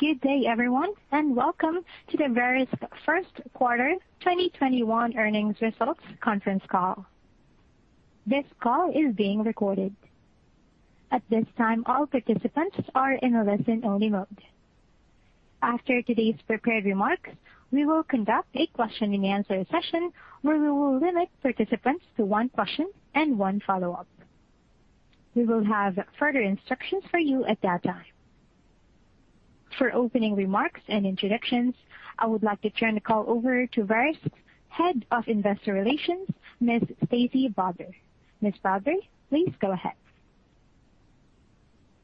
Good day, everyone, and welcome to the Verisk First Quarter 2021 Earnings Results Conference Call. For opening remarks and introductions, I would like to turn the call over to Verisk Head of Investor Relations, Ms. Stacey Brodbar. Ms. Brodbar, please go ahead.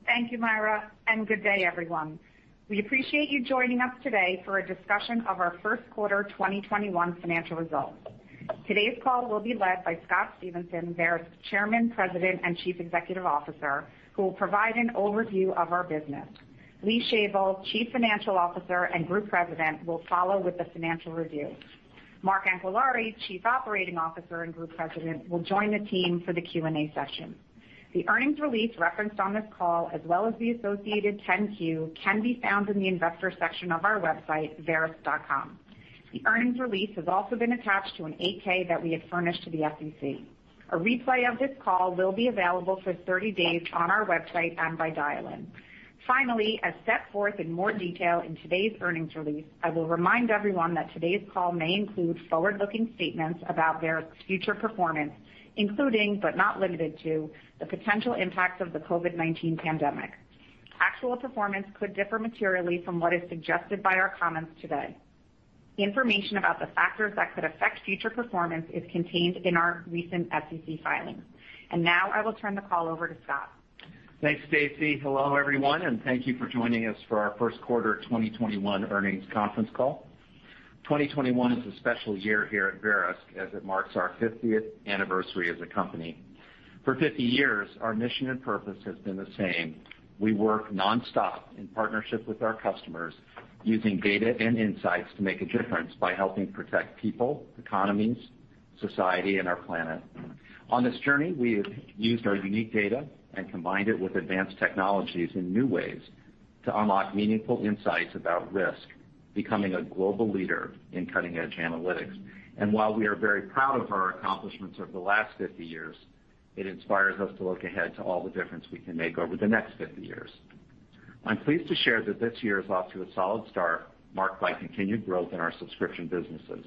Thank you, Myra, and good day, everyone. We appreciate you joining us today for a discussion of our first quarter 2021 financial results. Today's call will be led by Scott Stephenson, Verisk Chairman, President, and Chief Executive Officer, who will provide an overview of our business. Lee Shavel, Chief Financial Officer and Group President, will follow with the financial review. Mark Anquillare, Chief Operating Officer and Group President, will join the team for the Q&A session. The earnings release referenced on this call, as well as the associated 10-Q, can be found in the investor section of our website, verisk.com. The earnings release has also been attached to an 8-K that we have furnished to the SEC. A replay of this call will be available for 30 days on our website and by dial-in. As set forth in more detail in today's earnings release, I will remind everyone that today's call may include forward-looking statements about Verisk's future performance, including, but not limited to, the potential impact of the COVID-19 pandemic. Actual performance could differ materially from what is suggested by our comments today. Information about the factors that could affect future performance is contained in our recent SEC filings. I will turn the call over to Scott. Thanks, Stacey. Hello, everyone, and thank you for joining us for our first quarter 2021 earnings conference call. 2021 is a special year here at Verisk, as it marks our 50th anniversary as a company. For 50 years, our mission and purpose has been the same. We work non-stop in partnership with our customers using data and insights to make a difference by helping protect people, economies, society, and our planet. On this journey, we have used our unique data and combined it with advanced technologies in new ways to unlock meaningful insights about risk, becoming a global leader in cutting-edge analytics. While we are very proud of our accomplishments over the last 50 years, it inspires us to look ahead to all the difference we can make over the next 50 years. I'm pleased to share that this year is off to a solid start, marked by continued growth in our subscription businesses.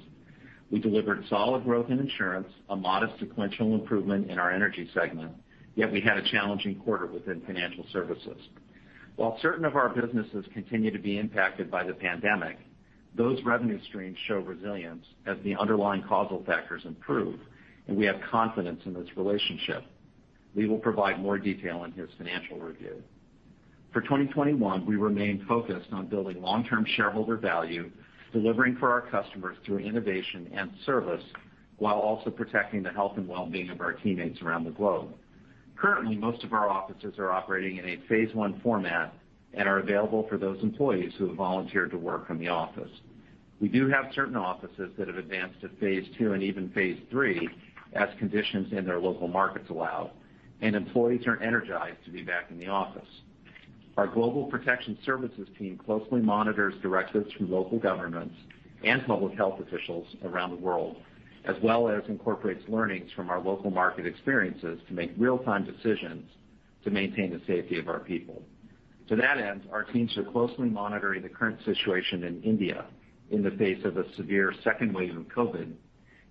We delivered solid growth in insurance, a modest sequential improvement in our energy segment, yet we had a challenging quarter within financial services. While certain of our businesses continue to be impacted by the pandemic, those revenue streams show resilience as the underlying causal factors improve, and we have confidence in this relationship. Lee will provide more detail in his financial review. For 2021, we remain focused on building long-term shareholder value, delivering for our customers through innovation and service, while also protecting the health and well-being of our teammates around the globe. Currently, most of our offices are operating in a phase I format and are available for those employees who have volunteered to work from the office. We do have certain offices that have advanced to phase II and even phase III as conditions in their local markets allow, and employees are energized to be back in the office. Our Global Protection Services team closely monitors directives from local governments and public health officials around the world, as well as incorporates learnings from our local market experiences to make real-time decisions to maintain the safety of our people. To that end, our teams are closely monitoring the current situation in India in the face of a severe second wave of COVID,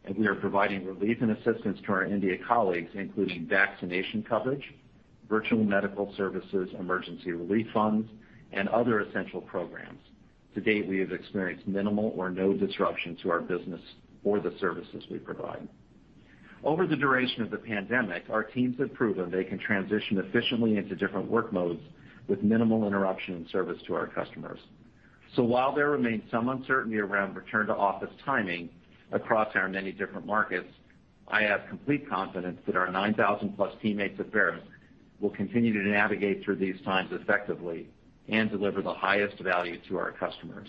and we are providing relief and assistance to our India colleagues, including vaccination coverage, virtual medical services, emergency relief funds, and other essential programs. To date, we have experienced minimal or no disruption to our business or the services we provide. Over the duration of the pandemic, our teams have proven they can transition efficiently into different work modes with minimal interruption in service to our customers. While there remains some uncertainty around return-to-office timing across our many different markets, I have complete confidence that our 9,000+ teammates at Verisk will continue to navigate through these times effectively and deliver the highest value to our customers.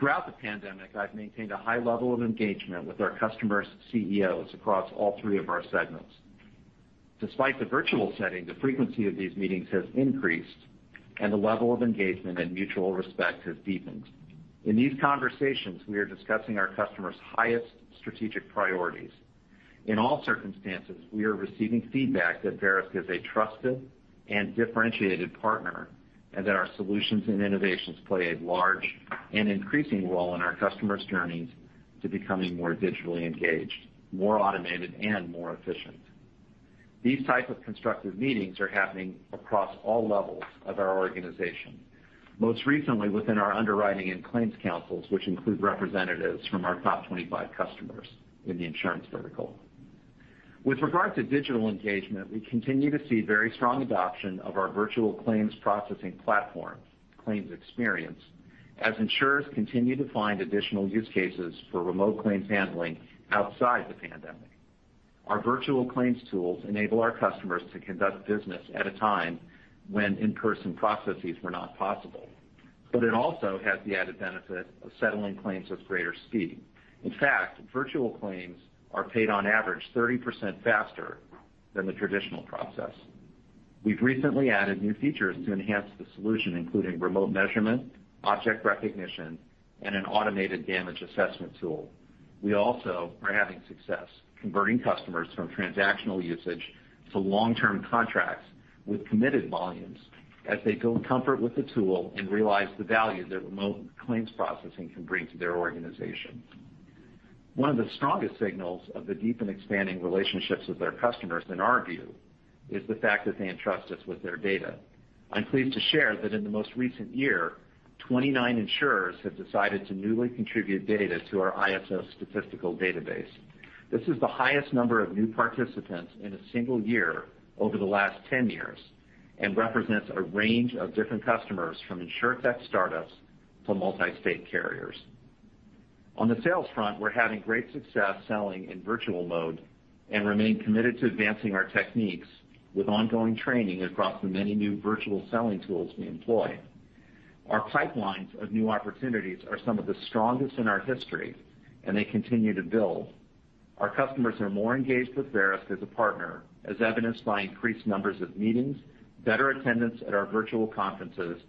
Throughout the pandemic, I've maintained a high level of engagement with our customers' CEOs across all three of our segments. Despite the virtual setting, the frequency of these meetings has increased, and the level of engagement and mutual respect has deepened. In these conversations, we are discussing our customers' highest strategic priorities. In all circumstances, we are receiving feedback that Verisk is a trusted and differentiated partner, and that our solutions and innovations play a large and increasing role in our customers' journeys to becoming more digitally engaged, more automated, and more efficient. These types of constructive meetings are happening across all levels of our organization, most recently within our underwriting and claims councils, which include representatives from our top 25 customers in the insurance vertical. With regard to digital engagement, we continue to see very strong adoption of our virtual claims processing platform, ClaimXperience, as insurers continue to find additional use cases for remote claims handling outside the pandemic. Our virtual claims tools enable our customers to conduct business at a time when in-person processes were not possible. It also has the added benefit of settling claims with greater speed. In fact, virtual claims are paid on average 30% faster than the traditional process. We've recently added new features to enhance the solution, including remote measurement, object recognition, and an automated damage assessment tool. We also are having success converting customers from transactional usage to long-term contracts with committed volumes as they build comfort with the tool and realize the value that remote claims processing can bring to their organization. One of the strongest signals of the deep and expanding relationships with our customers, in our view, is the fact that they entrust us with their data. I'm pleased to share that in the most recent year, 29 insurers have decided to newly contribute data to our ISO statistical database. This is the highest number of new participants in a single year over the last 10 years and represents a range of different customers from insurtech startups to multi-state carriers. On the sales front, we're having great success selling in virtual mode and remain committed to advancing our techniques with ongoing training across the many new virtual selling tools we employ. Our pipelines of new opportunities are some of the strongest in our history, and they continue to build. Our customers are more engaged with Verisk as a partner, as evidenced by increased numbers of meetings, better attendance at our virtual conferences, and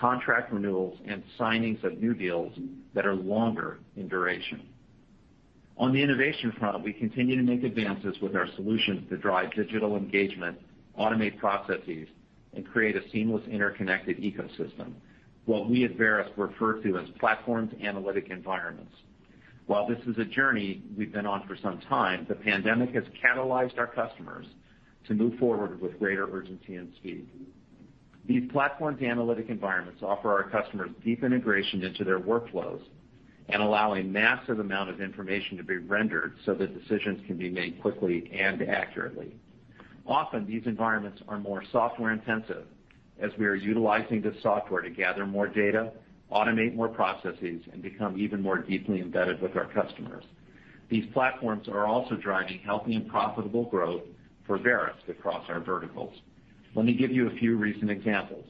contract renewals and signings of new deals that are longer in duration. On the innovation front, we continue to make advances with our solutions to drive digital engagement, automate processes, and create a seamless, interconnected ecosystem, what we at Verisk refer to as platformed analytic environments. While this is a journey we've been on for some time, the pandemic has catalyzed our customers to move forward with greater urgency and speed. These platformed analytic environments offer our customers deep integration into their workflows and allow a massive amount of information to be rendered so that decisions can be made quickly and accurately. Often, these environments are more software-intensive, as we are utilizing this software to gather more data, automate more processes, and become even more deeply embedded with our customers. These platforms are also driving healthy and profitable growth for Verisk across our verticals. Let me give you a few recent examples.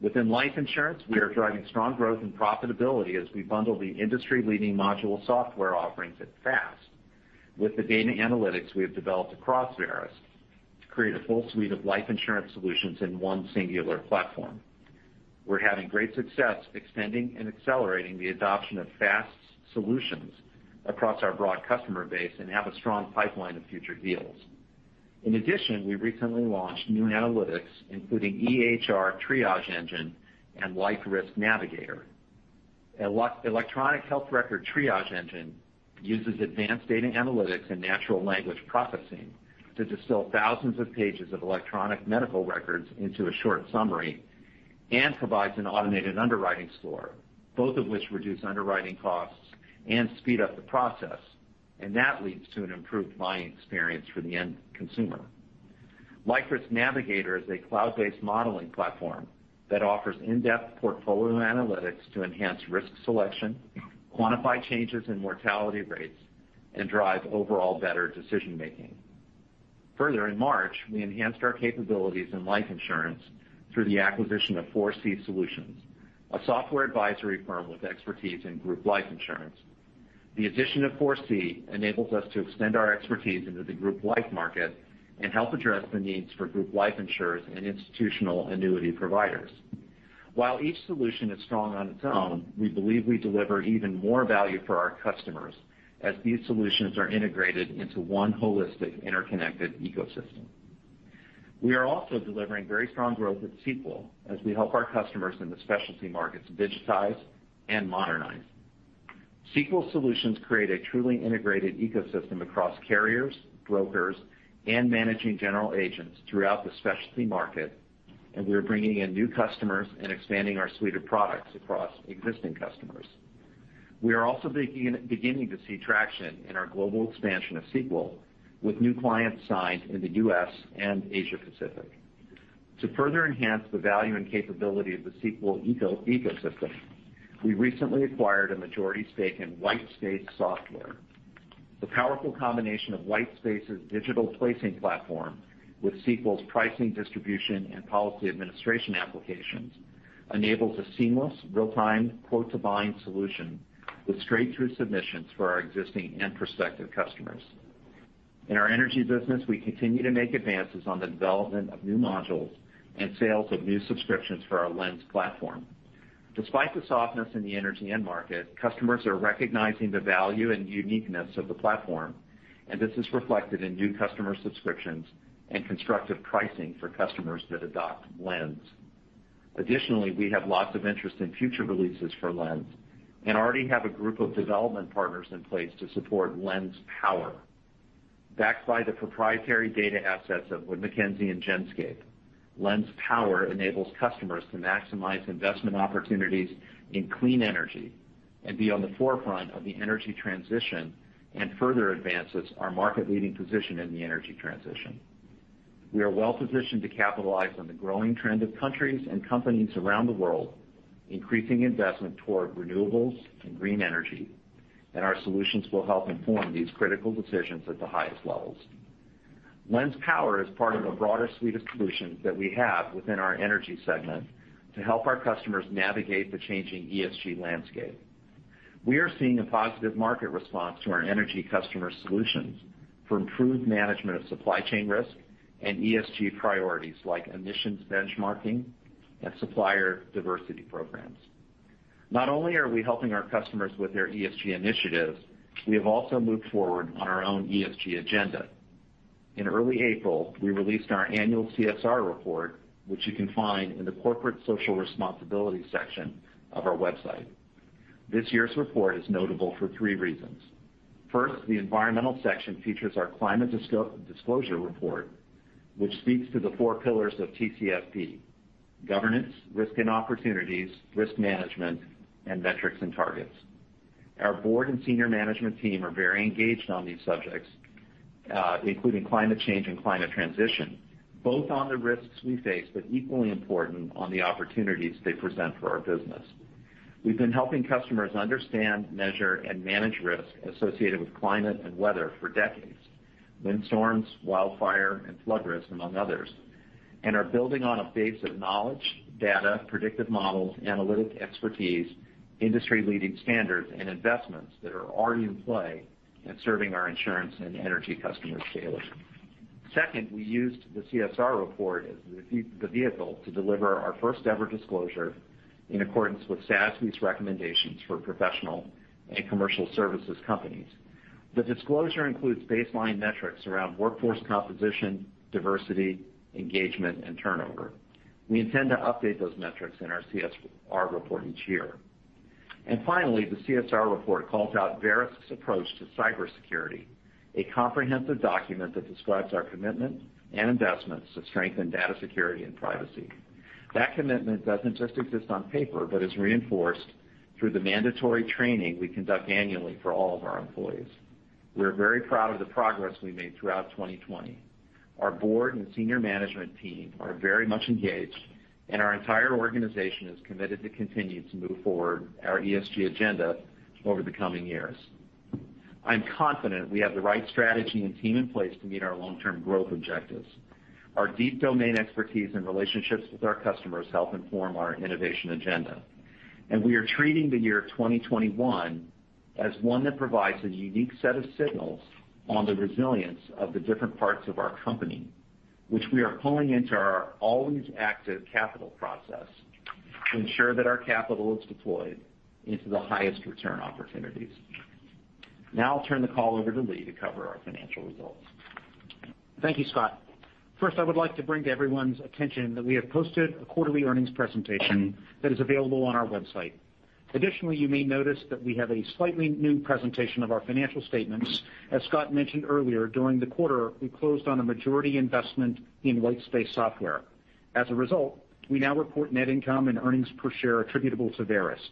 Within life insurance, we are driving strong growth and profitability as we bundle the industry-leading modular software offerings at FAST with the data analytics we have developed across Verisk to create a full suite of life insurance solutions in one singular platform. We're having great success extending and accelerating the adoption of FAST's solutions across our broad customer base and have a strong pipeline of future deals. In addition, we recently launched new analytics, including EHR Triage Engine and Life Risk Navigator. Electronic Health Record Triage Engine uses advanced data analytics and natural language processing to distill thousands of pages of electronic medical records into a short summary and provides an automated underwriting score, both of which reduce underwriting costs and speed up the process. That leads to an improved buying experience for the end consumer. Life Risk Navigator is a cloud-based modeling platform that offers in-depth portfolio analytics to enhance risk selection, quantify changes in mortality rates, and drive overall better decision-making. Further, in March, we enhanced our capabilities in life insurance through the acquisition of 4C Solutions, a software advisory firm with expertise in group life insurance. The addition of Foresee enables us to extend our expertise into the group life market and help address the needs for group life insurers and institutional annuity providers. While each solution is strong on its own, we believe we deliver even more value for our customers as these solutions are integrated into one holistic, interconnected ecosystem. We are also delivering very strong growth with Sequel as we help our customers in the specialty markets digitize and modernize. Sequel solutions create a truly integrated ecosystem across carriers, brokers, and managing general agents throughout the specialty market. We are bringing in new customers and expanding our suite of products across existing customers. We are also beginning to see traction in our global expansion of Sequel, with new clients signed in the U.S. and Asia Pacific. To further enhance the value and capability of the Sequel ecosystem, we recently acquired a majority stake in Whitespace Software. The powerful combination of Whitespace's digital placing platform with Sequel's pricing, distribution, and policy administration applications enables a seamless real-time quote-to-bind solution with straight-through submissions for our existing and prospective customers. In our energy business, we continue to make advances on the development of new modules and sales of new subscriptions for our Lens platform. Despite the softness in the energy end market, customers are recognizing the value and uniqueness of the platform, and this is reflected in new customer subscriptions and constructive pricing for customers that adopt Lens. Additionally, we have lots of interest in future releases for Lens and already have a group of development partners in place to support Lens Power. Backed by the proprietary data assets of Wood Mackenzie and Genscape, Lens Power enables customers to maximize investment opportunities in clean energy and be on the forefront of the energy transition and further advances our market-leading position in the energy transition. We are well positioned to capitalize on the growing trend of countries and companies around the world increasing investment toward renewables and green energy, and our solutions will help inform these critical decisions at the highest levels. Lens Power is part of a broader suite of solutions that we have within our energy segment to help our customers navigate the changing ESG landscape. We are seeing a positive market response to our energy customer solutions for improved management of supply chain risk and ESG priorities like emissions benchmarking and supplier diversity programs. Not only are we helping our customers with their ESG initiatives, we have also moved forward on our own ESG agenda. In early April, we released our annual CSR report, which you can find in the corporate social responsibility section of our website. This year's report is notable for three reasons. First, the environmental section features our climate disclosure report, which speaks to the four pillars of TCFD, governance, risk and opportunities, risk management, and metrics and targets. Our board and senior management team are very engaged on these subjects, including climate change and climate transition, both on the risks we face, but equally important, on the opportunities they present for our business. We've been helping customers understand, measure, and manage risk associated with climate and weather for decades, windstorms, wildfire, and flood risk, among others, and are building on a base of knowledge, data, predictive models, analytic expertise, industry-leading standards, and investments that are already in play in serving our insurance and energy customers daily. Second, we used the CSR report as the vehicle to deliver our first-ever disclosure in accordance with SASB's recommendations for professional and commercial services companies. The disclosure includes baseline metrics around workforce composition, diversity, engagement, and turnover. We intend to update those metrics in our CSR report each year. Finally, the CSR report calls out Verisk's approach to cybersecurity, a comprehensive document that describes our commitment and investments to strengthen data security and privacy. That commitment doesn't just exist on paper, but is reinforced through the mandatory training we conduct annually for all of our employees. We're very proud of the progress we made throughout 2020. Our board and senior management team are very much engaged, and our entire organization is committed to continue to move forward our ESG agenda over the coming years. I'm confident we have the right strategy and team in place to meet our long-term growth objectives. Our deep domain expertise and relationships with our customers help inform our innovation agenda. We are treating the year 2021 as one that provides a unique set of signals on the resilience of the different parts of our company, which we are pulling into our always active capital process to ensure that our capital is deployed into the highest return opportunities. Now I'll turn the call over to Lee to cover our financial results. Thank you, Scott. First, I would like to bring to everyone's attention that we have posted a quarterly earnings presentation that is available on our website. You may notice that we have a slightly new presentation of our financial statements. As Scott mentioned earlier, during the quarter, we closed on a majority investment in Whitespace Software. As a result, we now report net income and earnings per share attributable to Verisk.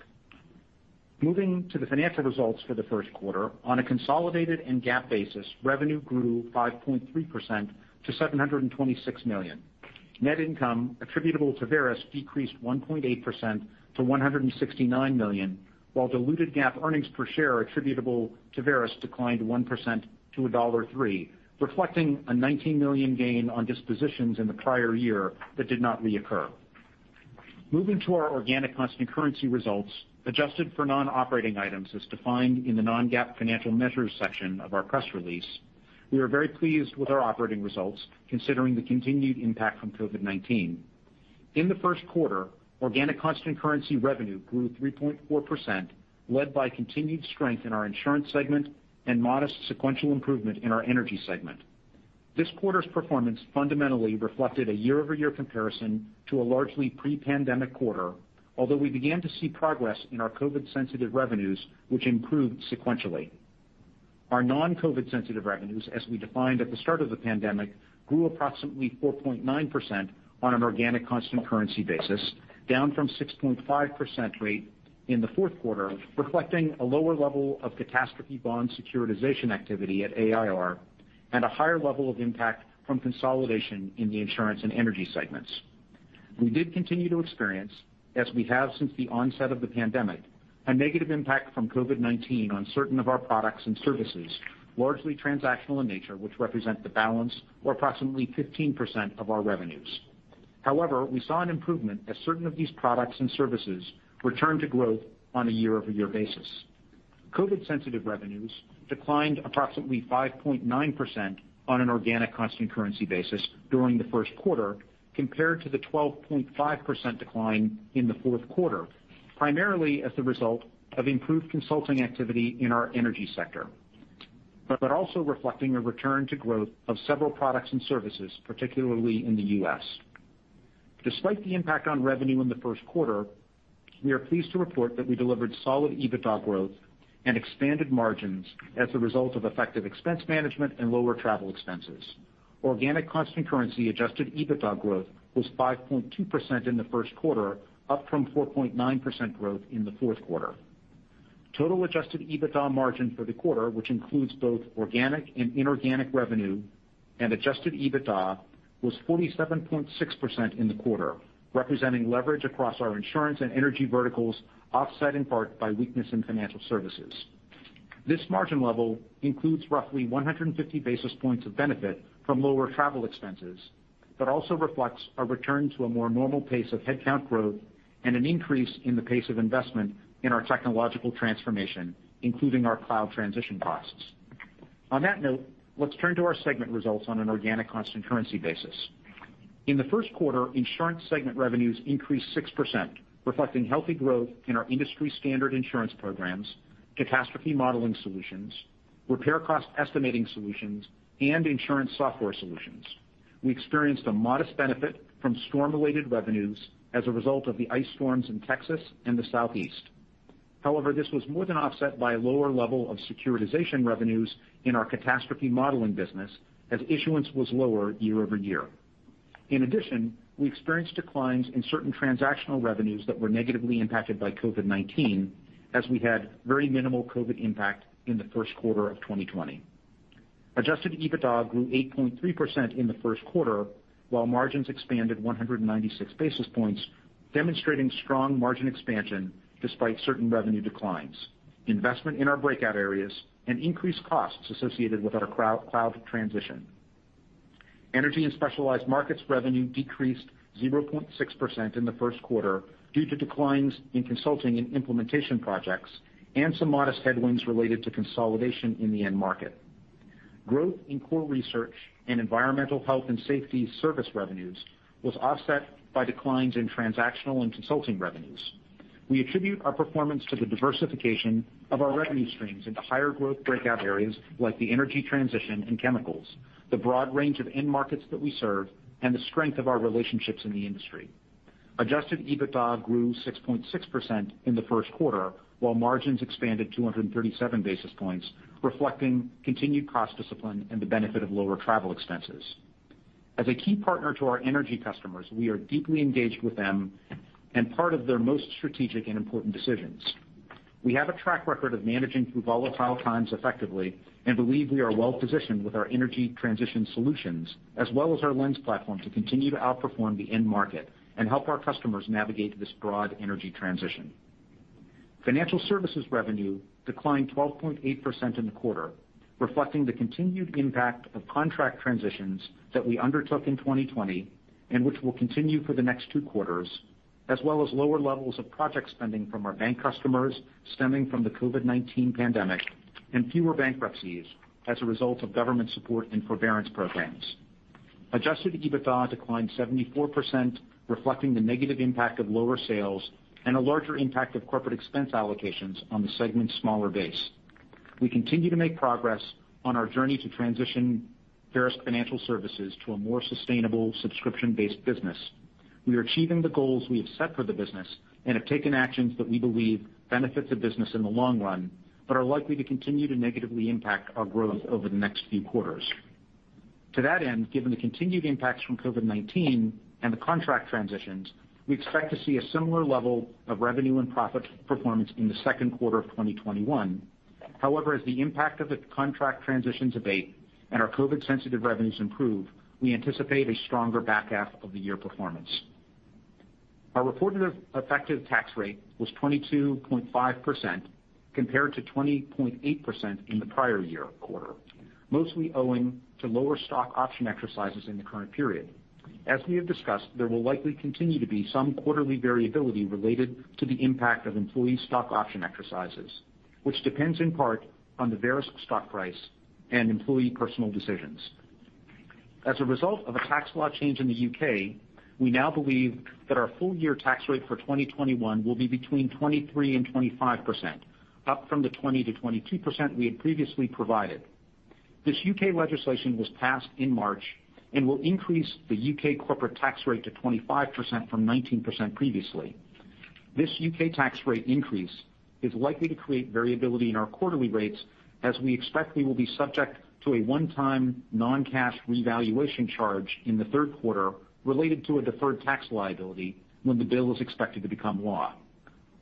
Moving to the financial results for the first quarter, on a consolidated and GAAP basis, revenue grew 5.3% to $726 million. Net income attributable to Verisk decreased 1.8% to $169 million, while diluted GAAP earnings per share attributable to Verisk declined 1% to $1.03, reflecting a $19 million gain on dispositions in the prior year that did not reoccur. Moving to our organic constant currency results, adjusted for non-operating items as defined in the non-GAAP financial measures section of our press release, we are very pleased with our operating results, considering the continued impact from COVID-19. In the first quarter, organic constant currency revenue grew 3.4%, led by continued strength in our insurance segment and modest sequential improvement in our energy segment. This quarter's performance fundamentally reflected a year-over-year comparison to a largely pre-pandemic quarter, although we began to see progress in our COVID sensitive revenues, which improved sequentially. Our non-COVID sensitive revenues, as we defined at the start of the pandemic, grew approximately 4.9% on an organic constant currency basis, down from 6.5% rate in the fourth quarter, reflecting a lower level of catastrophe bond securitization activity at AIR and a higher level of impact from consolidation in the insurance and energy segments. We did continue to experience, as we have since the onset of the pandemic, a negative impact from COVID-19 on certain of our products and services, largely transactional in nature, which represent the balance or approximately 15% of our revenues. We saw an improvement as certain of these products and services returned to growth on a year-over-year basis. COVID sensitive revenues declined approximately 5.9% on an organic constant currency basis during the first quarter, compared to the 12.5% decline in the fourth quarter, primarily as the result of improved consulting activity in our energy sector, but also reflecting a return to growth of several products and services, particularly in the U.S. Despite the impact on revenue in the first quarter, we are pleased to report that we delivered solid EBITDA growth and expanded margins as a result of effective expense management and lower travel expenses. Organic constant currency adjusted EBITDA growth was 5.2% in the first quarter, up from 4.9% growth in the fourth quarter. Total adjusted EBITDA margin for the quarter, which includes both organic and inorganic revenue and adjusted EBITDA, was 47.6% in the quarter, representing leverage across our insurance and energy verticals, offset in part by weakness in financial services. This margin level includes roughly 150 basis points of benefit from lower travel expenses, but also reflects a return to a more normal pace of headcount growth and an increase in the pace of investment in our technological transformation, including our cloud transition costs. On that note, let's turn to our segment results on an organic constant currency basis. In the first quarter, insurance segment revenues increased 6%, reflecting healthy growth in our industry standard insurance programs, catastrophe modeling solutions, repair cost estimating solutions, and insurance software solutions. We experienced a modest benefit from storm-related revenues as a result of the ice storms in Texas and the Southeast. This was more than offset by a lower level of securitization revenues in our catastrophe modeling business as issuance was lower year-over-year. We experienced declines in certain transactional revenues that were negatively impacted by COVID-19, as we had very minimal COVID impact in the first quarter of 2020. Adjusted EBITDA grew 8.3% in the first quarter, while margins expanded 196 basis points, demonstrating strong margin expansion despite certain revenue declines, investment in our breakout areas, and increased costs associated with our cloud transition. Energy and specialized markets revenue decreased 0.6% in the first quarter due to declines in consulting and implementation projects, and some modest headwinds related to consolidation in the end market. Growth in core research and environmental, health, and safety service revenues was offset by declines in transactional and consulting revenues. We attribute our performance to the diversification of our revenue streams into higher growth breakout areas like the energy transition and chemicals, the broad range of end markets that we serve, and the strength of our relationships in the industry. Adjusted EBITDA grew 6.6% in the first quarter, while margins expanded 237 basis points, reflecting continued cost discipline and the benefit of lower travel expenses. As a key partner to our energy customers, we are deeply engaged with them and part of their most strategic and important decisions. We have a track record of managing through volatile times effectively and believe we are well positioned with our energy transition solutions as well as our Lens platform to continue to outperform the end market and help our customers navigate this broad energy transition. Financial services revenue declined 12.8% in the quarter, reflecting the continued impact of contract transitions that we undertook in 2020 and which will continue for the next two quarters, as well as lower levels of project spending from our bank customers stemming from the COVID-19 pandemic and fewer bankruptcies as a result of government support and forbearance programs. Adjusted EBITDA declined 74%, reflecting the negative impact of lower sales and a larger impact of corporate expense allocations on the segment's smaller base. We continue to make progress on our journey to transition Verisk Financial Services to a more sustainable subscription-based business. We are achieving the goals we have set for the business and have taken actions that we believe benefit the business in the long run, but are likely to continue to negatively impact our growth over the next few quarters. To that end, given the continued impacts from COVID-19 and the contract transitions, we expect to see a similar level of revenue and profit performance in the second quarter of 2021. However, as the impact of the contract transitions abate and our COVID sensitive revenues improve, we anticipate a stronger back half of the year performance. Our reported effective tax rate was 22.5% compared to 20.8% in the prior year quarter, mostly owing to lower stock option exercises in the current period. As we have discussed, there will likely continue to be some quarterly variability related to the impact of employee stock option exercises, which depends in part on the Verisk stock price and employee personal decisions. As a result of a tax law change in the U.K., we now believe that our full year tax rate for 2021 will be between 23% and 25%, up from the 20%-22% we had previously provided. This U.K. legislation was passed in March and will increase the U.K. corporate tax rate to 25% from 19% previously. This U.K. tax rate increase is likely to create variability in our quarterly rates as we expect we will be subject to a one-time non-cash revaluation charge in the third quarter related to a deferred tax liability when the bill is expected to become law.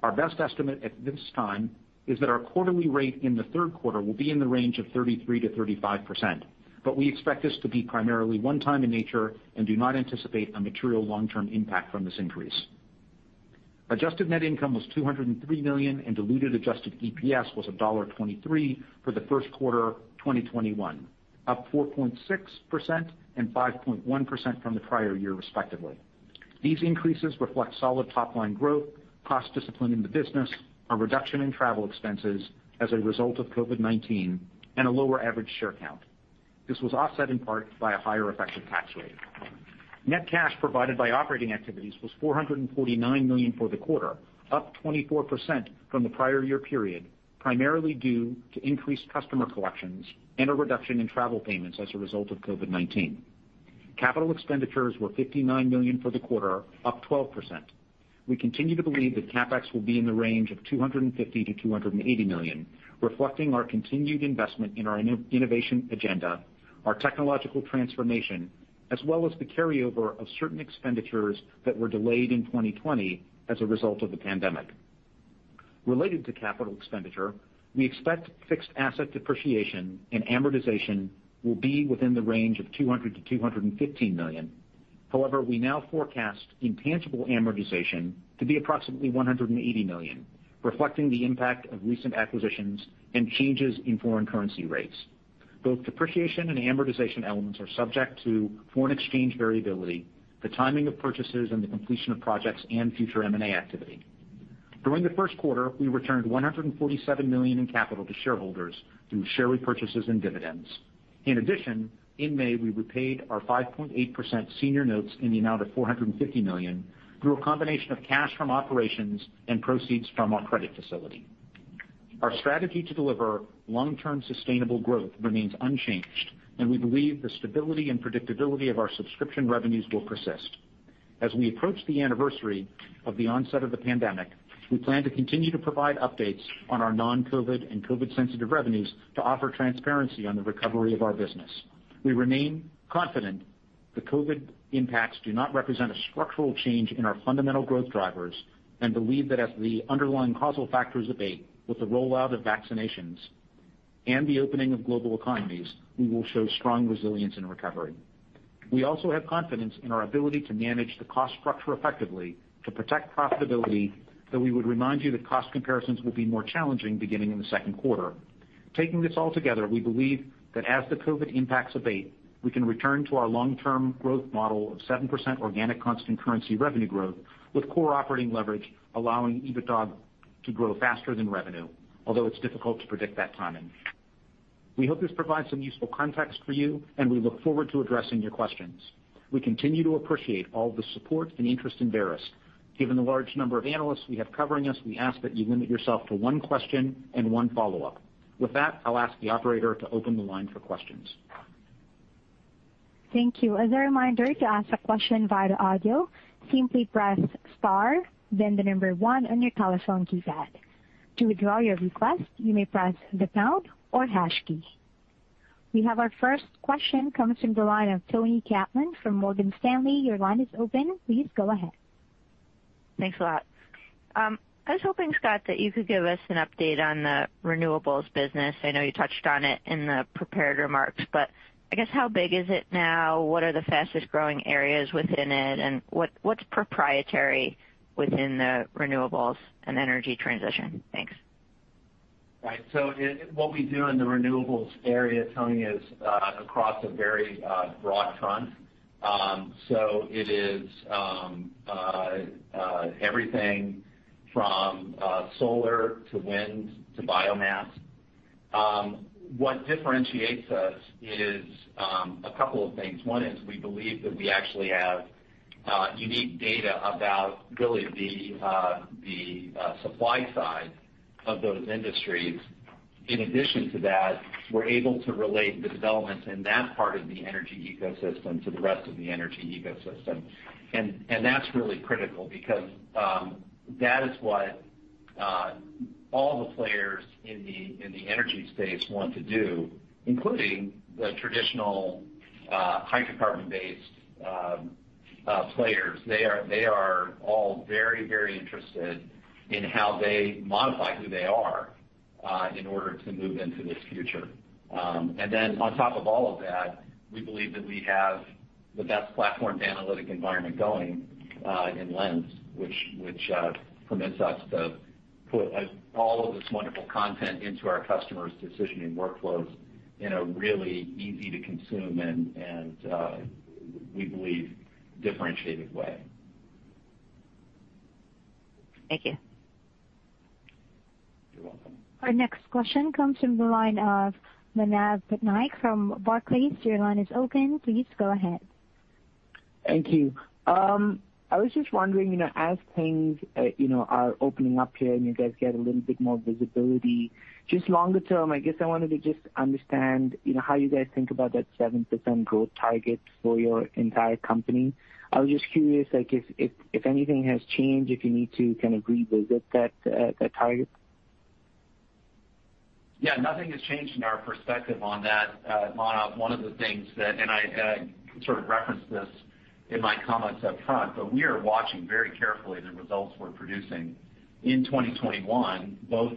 Our best estimate at this time is that our quarterly rate in the third quarter will be in the range of 33%-35%, but we expect this to be primarily one-time in nature and do not anticipate a material long-term impact from this increase. Adjusted net income was $203 million and diluted adjusted EPS was $1.23 for the first quarter 2021, up 4.6% and 5.1% from the prior year respectively. These increases reflect solid top-line growth, cost discipline in the business, a reduction in travel expenses as a result of COVID-19, and a lower average share count. This was offset in part by a higher effective tax rate. Net cash provided by operating activities was $449 million for the quarter, up 24% from the prior year period, primarily due to increased customer collections and a reduction in travel payments as a result of COVID-19. Capital expenditures were $59 million for the quarter, up 12%. We continue to believe that CapEx will be in the range of $250 million-$280 million, reflecting our continued investment in our innovation agenda, our technological transformation, as well as the carryover of certain expenditures that were delayed in 2020 as a result of the pandemic. Related to capital expenditure, we expect fixed asset depreciation and amortization will be within the range of $200 million-$215 million. However, we now forecast intangible amortization to be approximately $180 million, reflecting the impact of recent acquisitions and changes in foreign currency rates. Both depreciation and amortization elements are subject to foreign exchange variability, the timing of purchases and the completion of projects, and future M&A activity. During the first quarter, we returned $147 million in capital to shareholders through share repurchases and dividends. In addition, in May, we repaid our 5.8% senior notes in the amount of $450 million through a combination of cash from operations and proceeds from our credit facility. Our strategy to deliver long-term sustainable growth remains unchanged, and we believe the stability and predictability of our subscription revenues will persist. As we approach the anniversary of the onset of the pandemic, we plan to continue to provide updates on our non-COVID-19 and COVID-19-sensitive revenues to offer transparency on the recovery of our business. We remain confident that COVID-19 impacts do not represent a structural change in our fundamental growth drivers and believe that as the underlying causal factors abate with the rollout of vaccinations and the opening of global economies, we will show strong resilience and recovery. We also have confidence in our ability to manage the cost structure effectively to protect profitability, though we would remind you that cost comparisons will be more challenging beginning in the second quarter. Taking this all together, we believe that as the COVID-19 impacts abate, we can return to our long-term growth model of 7% organic constant currency revenue growth with core operating leverage allowing EBITDA to grow faster than revenue, although it's difficult to predict that timing. We hope this provides some useful context for you, and we look forward to addressing your questions. We continue to appreciate all the support and interest in Verisk. Given the large number of analysts we have covering us, we ask that you limit yourself to one question and one follow-up. I'll ask the operator to open the line for questions. Thank you. As a reminder, to ask a question via the audio, simply press star then the number one on your telephone keypad. To withdraw your request, you may press the pound or hash key. We have our first question coming from the line of Toni Kaplan from Morgan Stanley. Your line is open. Please go ahead. Thanks a lot. I was hoping, Scott, that you could give us an update on the renewables business. I know you touched on it in the prepared remarks, but I guess how big is it now? What are the fastest-growing areas within it, and what's proprietary within the renewables and energy transition? Thanks. Right. What we do in the renewables area, Toni, is across a very broad front. It is everything from solar to wind to biomass. What differentiates us is a couple of things. One is we believe that we actually have unique data about really the supply side of those industries. In addition to that, we're able to relate the developments in that part of the energy ecosystem to the rest of the energy ecosystem. That's really critical because that is what all the players in the energy space want to do, including the traditional hydrocarbon-based players. They are all very interested in how they modify who they are in order to move into this future. On top of all of that, we believe that we have the best platform analytic environment going in Lens, which permits us to put all of this wonderful content into our customers' decisioning workflows in a really easy-to-consume, and we believe, differentiated way. Thank you. You're welcome. Our next question comes from the line of Manav Patnaik from Barclays. Thank you. I was just wondering, as things are opening up here and you guys get a little bit more visibility, just longer term, I guess I wanted to just understand how you guys think about that 7% growth target for your entire company. I was just curious if anything has changed, if you need to kind of revisit that target. Yeah, nothing has changed in our perspective on that, Manav. One of the things that, I sort of referenced this in my comments up front, we are watching very carefully the results we're producing in 2021, both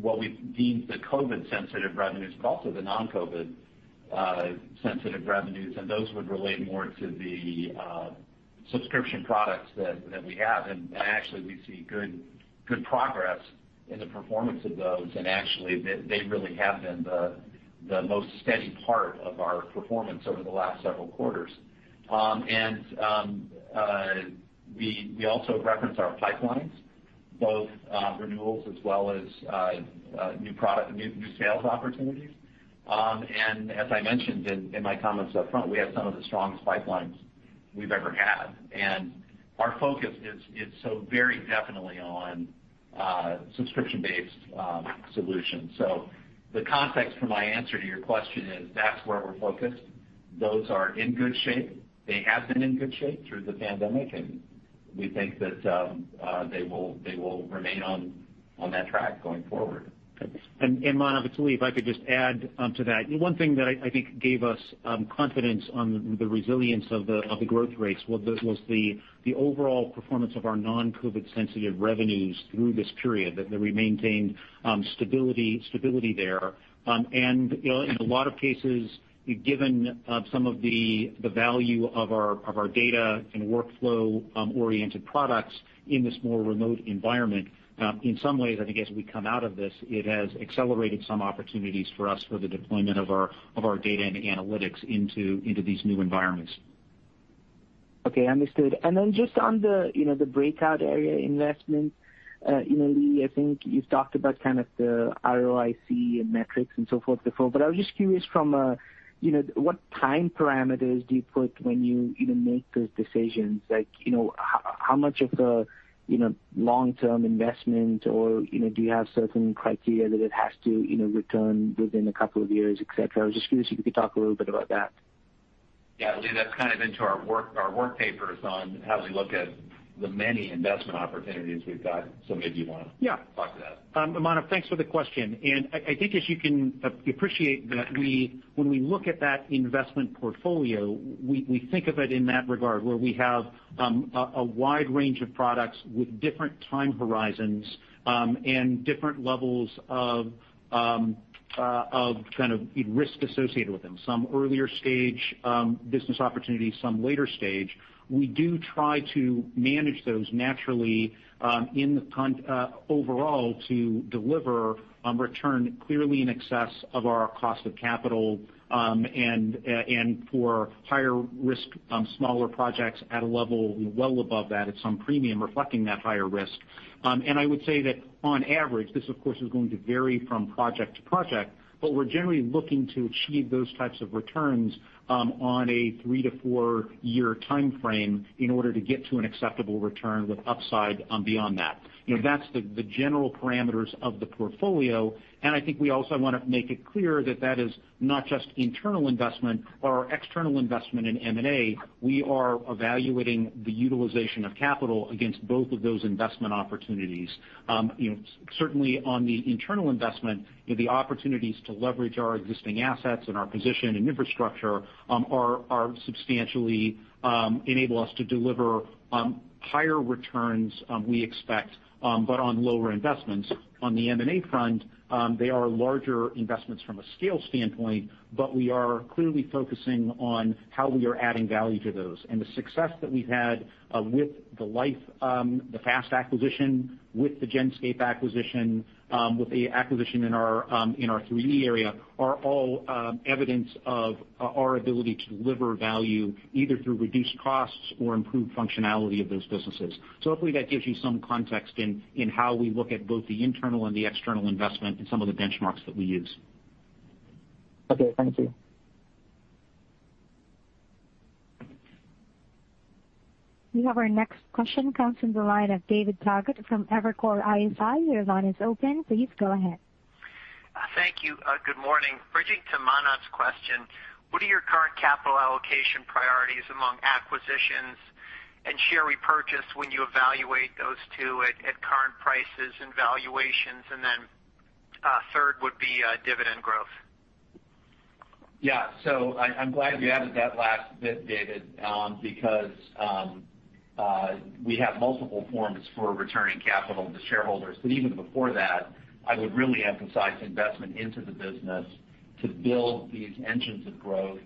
what we've deemed the COVID-sensitive revenues, also the non-COVID sensitive revenues, those would relate more to the subscription products that we have. Actually, we see good progress in the performance of those, actually, they really have been the most steady part of our performance over the last several quarters. We also reference our pipelines, both renewals as well as new sales opportunities. As I mentioned in my comments up front, we have some of the strongest pipelines we've ever had, our focus is so very definitely on subscription-based solutions. The context for my answer to your question is that's where we're focused. Those are in good shape. They have been in good shape through the pandemic, and we think that they will remain on that track going forward. Manav, actually, if I could just add onto that. One thing that I think gave us confidence on the resilience of the growth rates was the overall performance of our non-COVID sensitive revenues through this period, that we maintained stability there. In a lot of cases, given some of the value of our data and workflow-oriented products in this more remote environment, in some ways, I think as we come out of this, it has accelerated some opportunities for us for the deployment of our data and analytics into these new environments. Okay, understood. Then just on the breakout area investment. Lee, I think you've talked about kind of the ROIC and metrics and so forth before, but I was just curious from what time parameters do you put when you make those decisions? How much of the long-term investment, or do you have certain criteria that it has to return within a couple of years, et cetera? I was just curious if you could talk a little bit about that. Yeah, Lee, that's kind of into our work papers on how we look at the many investment opportunities we've got. Maybe you want to talk to that? Manav, thanks for the question. I think as you can appreciate that when we look at that investment portfolio, we think of it in that regard, where we have a wide range of products with different time horizons, and different levels of risk associated with them. Some earlier stage business opportunities, some later stage. We do try to manage those naturally overall to deliver return clearly in excess of our cost of capital, and for higher risk, smaller projects at a level well above that at some premium reflecting that higher risk. I would say that on average, this of course is going to vary from project to project, but we're generally looking to achieve those types of returns on a three to four year timeframe in order to get to an acceptable return with upside beyond that. That's the general parameters of the portfolio, and I think we also want to make it clear that is not just internal investment or our external investment in M&A. We are evaluating the utilization of capital against both of those investment opportunities. Certainly on the internal investment, the opportunities to leverage our existing assets and our position and infrastructure substantially enable us to deliver higher returns we expect, but on lower investments. On the M&A front, they are larger investments from a scale standpoint, but we are clearly focusing on how we are adding value to those. The success that we've had with the Life, the FAST acquisition, with the Genscape acquisition, with the acquisition in our 3E area, are all evidence of our ability to deliver value either through reduced costs or improved functionality of those businesses. Hopefully that gives you some context in how we look at both the internal and the external investment and some of the benchmarks that we use. Okay. Thank you. We have our next question comes from the line of David Togut from Evercore ISI. Your line is open. Please go ahead. Thank you. Good morning. Bridging to Manav's question, what are your current capital allocation priorities among acquisitions and share repurchase when you evaluate those two at current prices and valuations? Then, third would be dividend growth. I'm glad you added that last bit, David, because we have multiple forms for returning capital to shareholders. Even before that, I would really emphasize investment into the business to build these engines of growth.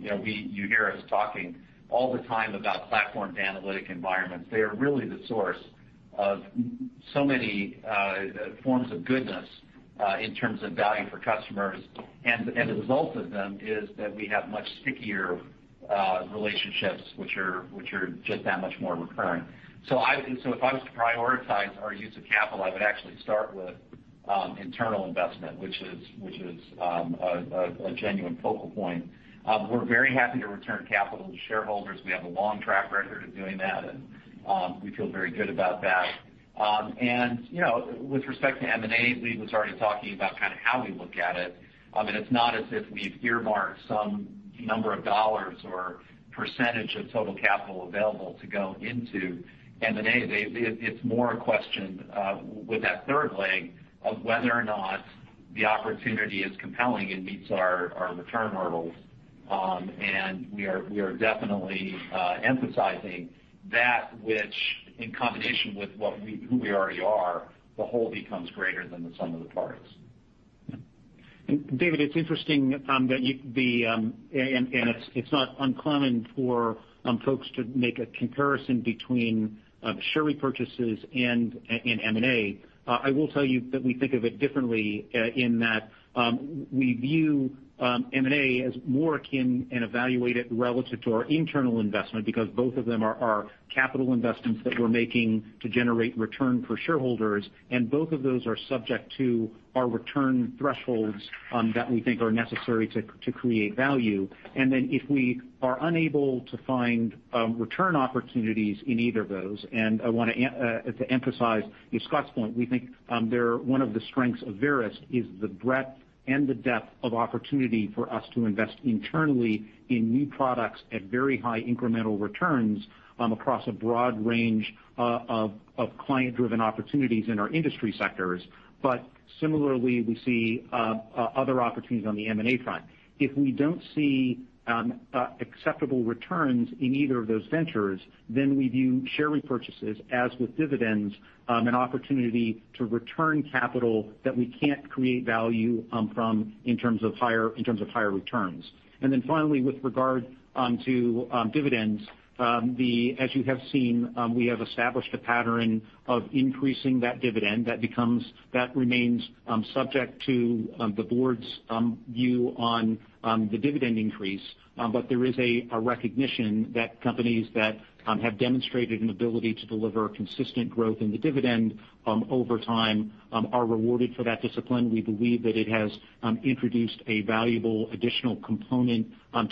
You hear us talking all the time about platformed analytic environments. They are really the source of so many forms of goodness in terms of value for customers. The result of them is that we have much stickier relationships, which are just that much more recurring. If I was to prioritize our use of capital, I would actually start with internal investment, which is a genuine focal point. We're very happy to return capital to shareholders. We have a long track record of doing that, and we feel very good about that. With respect to M&A, Lee was already talking about how we look at it. I mean, it's not as if we've earmarked some number of dollars or percentage of total capital available to go into M&A. It's more a question with that third leg of whether or not the opportunity is compelling and meets our return hurdles. We are definitely emphasizing that which, in combination with who we already are, the whole becomes greater than the sum of the parts. David, it's interesting, it's not uncommon for folks to make a comparison between share repurchases and M&A. I will tell you that we think of it differently in that we view M&A as more akin and evaluate it relative to our internal investment, because both of them are capital investments that we're making to generate return for shareholders. Both of those are subject to our return thresholds that we think are necessary to create value. If we are unable to find return opportunities in either of those, I want to emphasize Scott's point, we think one of the strengths of Verisk is the breadth and the depth of opportunity for us to invest internally in new products at very high incremental returns across a broad range of client-driven opportunities in our industry sectors. Similarly, we see other opportunities on the M&A front. If we don't see acceptable returns in either of those ventures, then we view share repurchases, as with dividends, an opportunity to return capital that we can't create value from in terms of higher returns. Finally, with regard to dividends, as you have seen, we have established a pattern of increasing that dividend. That remains subject to the board's view on the dividend increase. There is a recognition that companies that have demonstrated an ability to deliver consistent growth in the dividend over time are rewarded for that discipline. We believe that it has introduced a valuable additional component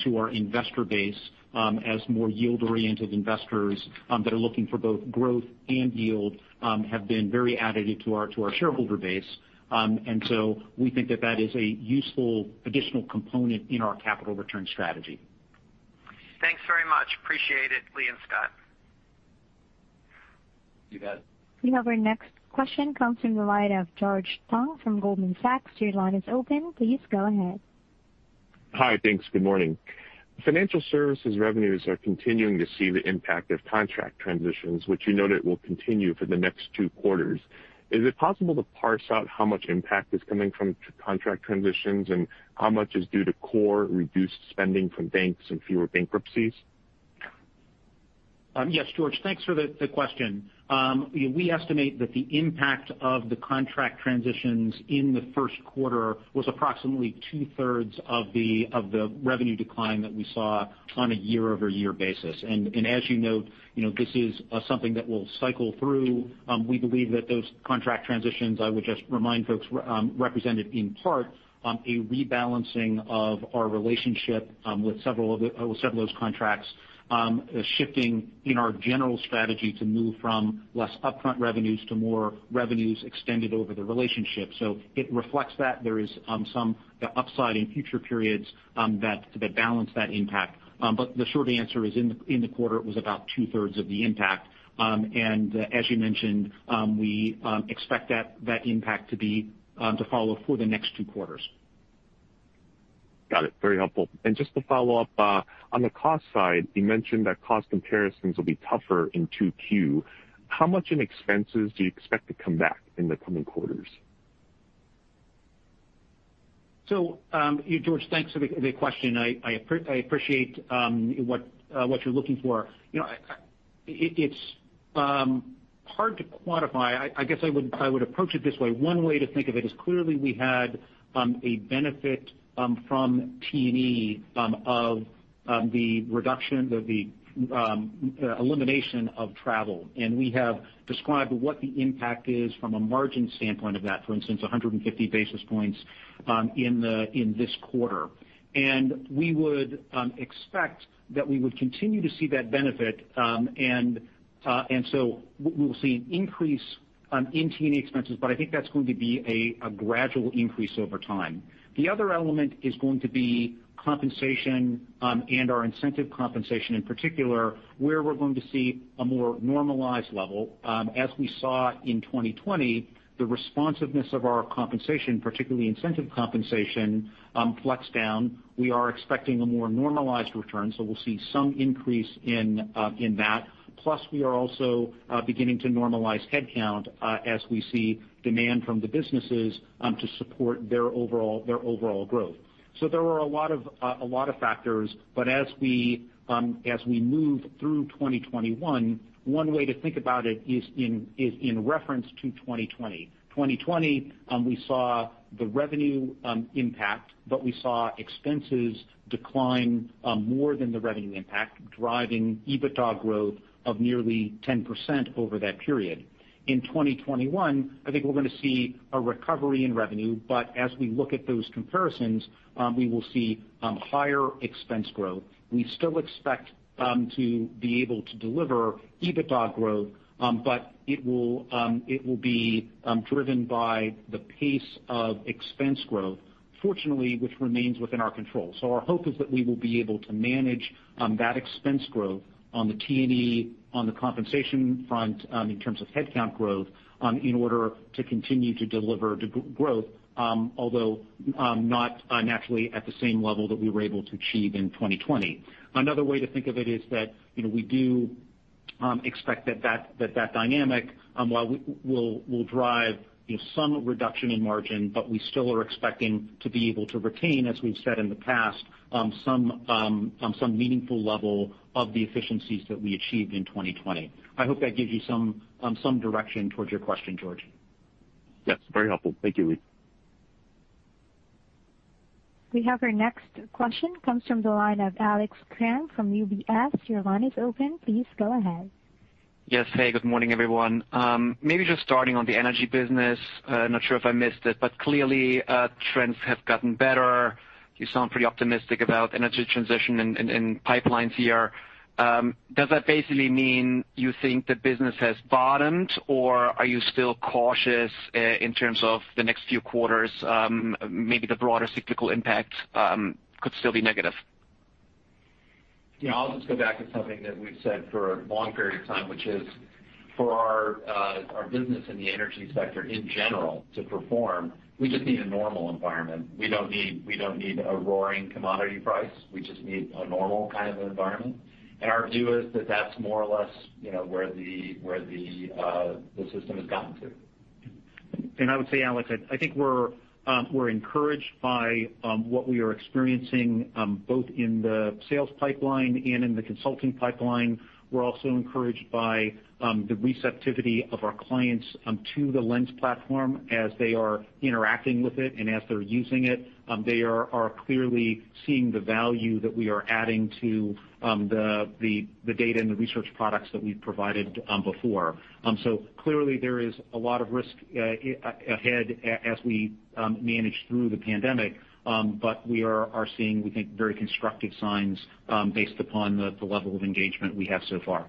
to our investor base as more yield-oriented investors that are looking for both growth and yield have been very additive to our shareholder base. We think that that is a useful additional component in our capital return strategy. Thanks very much. Appreciate it, Lee and Scott. You bet. We have our next question coming from the line of George Tong from Goldman Sachs. Your line is open. Please go ahead. Hi. Thanks. Good morning. Financial Services revenues are continuing to see the impact of contract transitions, which you noted will continue for the next two quarters. Is it possible to parse out how much impact is coming from contract transitions and how much is due to core reduced spending from banks and fewer bankruptcies? Yes, George, thanks for the question. We estimate that the impact of the contract transitions in the first quarter was approximately 2/3 of the revenue decline that we saw on a year-over-year basis. As you note, this is something that will cycle through. We believe that those contract transitions, I would just remind folks, represented in part a rebalancing of our relationship with several of those contracts shifting in our general strategy to move from less upfront revenues to more revenues extended over the relationship. It reflects that there is some upside in future periods that balance that impact. The short answer is in the quarter, it was about 2/3 of the impact. As you mentioned, we expect that impact to follow for the next two quarters. Got it. Very helpful. Just to follow up, on the cost side, you mentioned that cost comparisons will be tougher in 2Q. How much in expenses do you expect to come back in the coming quarters? George, thanks for the question. I appreciate what you're looking for. It's hard to quantify. I guess I would approach it this way. One way to think of it is clearly we had a benefit from T&E of the elimination of travel. We have described what the impact is from a margin standpoint of that, for instance, 150 basis points in this quarter. We would expect that we would continue to see that benefit. We will see an increase in T&E expenses, but I think that's going to be a gradual increase over time. The other element is going to be compensation and our incentive compensation in particular, where we're going to see a more normalized level. As we saw in 2020, the responsiveness of our compensation, particularly incentive compensation, flex down. We are expecting a more normalized return, so we'll see some increase in that. We are also beginning to normalize headcount as we see demand from the businesses to support their overall growth. There are a lot of factors. As we move through 2021, one way to think about it is in reference to 2020. 2020, we saw the revenue impact, but we saw expenses decline more than the revenue impact, driving EBITDA growth of nearly 10% over that period. In 2021, I think we're going to see a recovery in revenue. As we look at those comparisons, we will see higher expense growth. We still expect to be able to deliver EBITDA growth, but it will be driven by the pace of expense growth, fortunately, which remains within our control. Our hope is that we will be able to manage that expense growth on the T&E, on the compensation front in terms of headcount growth in order to continue to deliver growth although not naturally at the same level that we were able to achieve in 2020. Another way to think of it is that we do expect that dynamic, while we will drive some reduction in margin, but we still are expecting to be able to retain, as we've said in the past, some meaningful level of the efficiencies that we achieved in 2020. I hope that gives you some direction towards your question, George. Yes, very helpful. Thank you, Lee. We have our next question, comes from the line of Alex Kramm from UBS. Your line is open. Please go ahead. Yes. Hey, good morning, everyone. Maybe just starting on the energy business. Not sure if I missed it, but clearly trends have gotten better. You sound pretty optimistic about energy transition and pipelines here. Does that basically mean you think the business has bottomed, or are you still cautious in terms of the next few quarters? Maybe the broader cyclical impact could still be negative. Yeah. I'll just go back to something that we've said for a long period of time, which is for our business in the energy sector in general to perform, we just need a normal environment. We don't need a roaring commodity price. We just need a normal kind of an environment. Our view is that that's more or less where the system has gotten to. I would say, Alex, I think we're encouraged by what we are experiencing both in the sales pipeline and in the consulting pipeline. We're also encouraged by the receptivity of our clients to the Lens platform as they are interacting with it and as they're using it. They are clearly seeing the value that we are adding to the data and the research products that we've provided before. Clearly, there is a lot of risk ahead as we manage through the pandemic, but we are seeing, we think, very constructive signs based upon the level of engagement we have so far.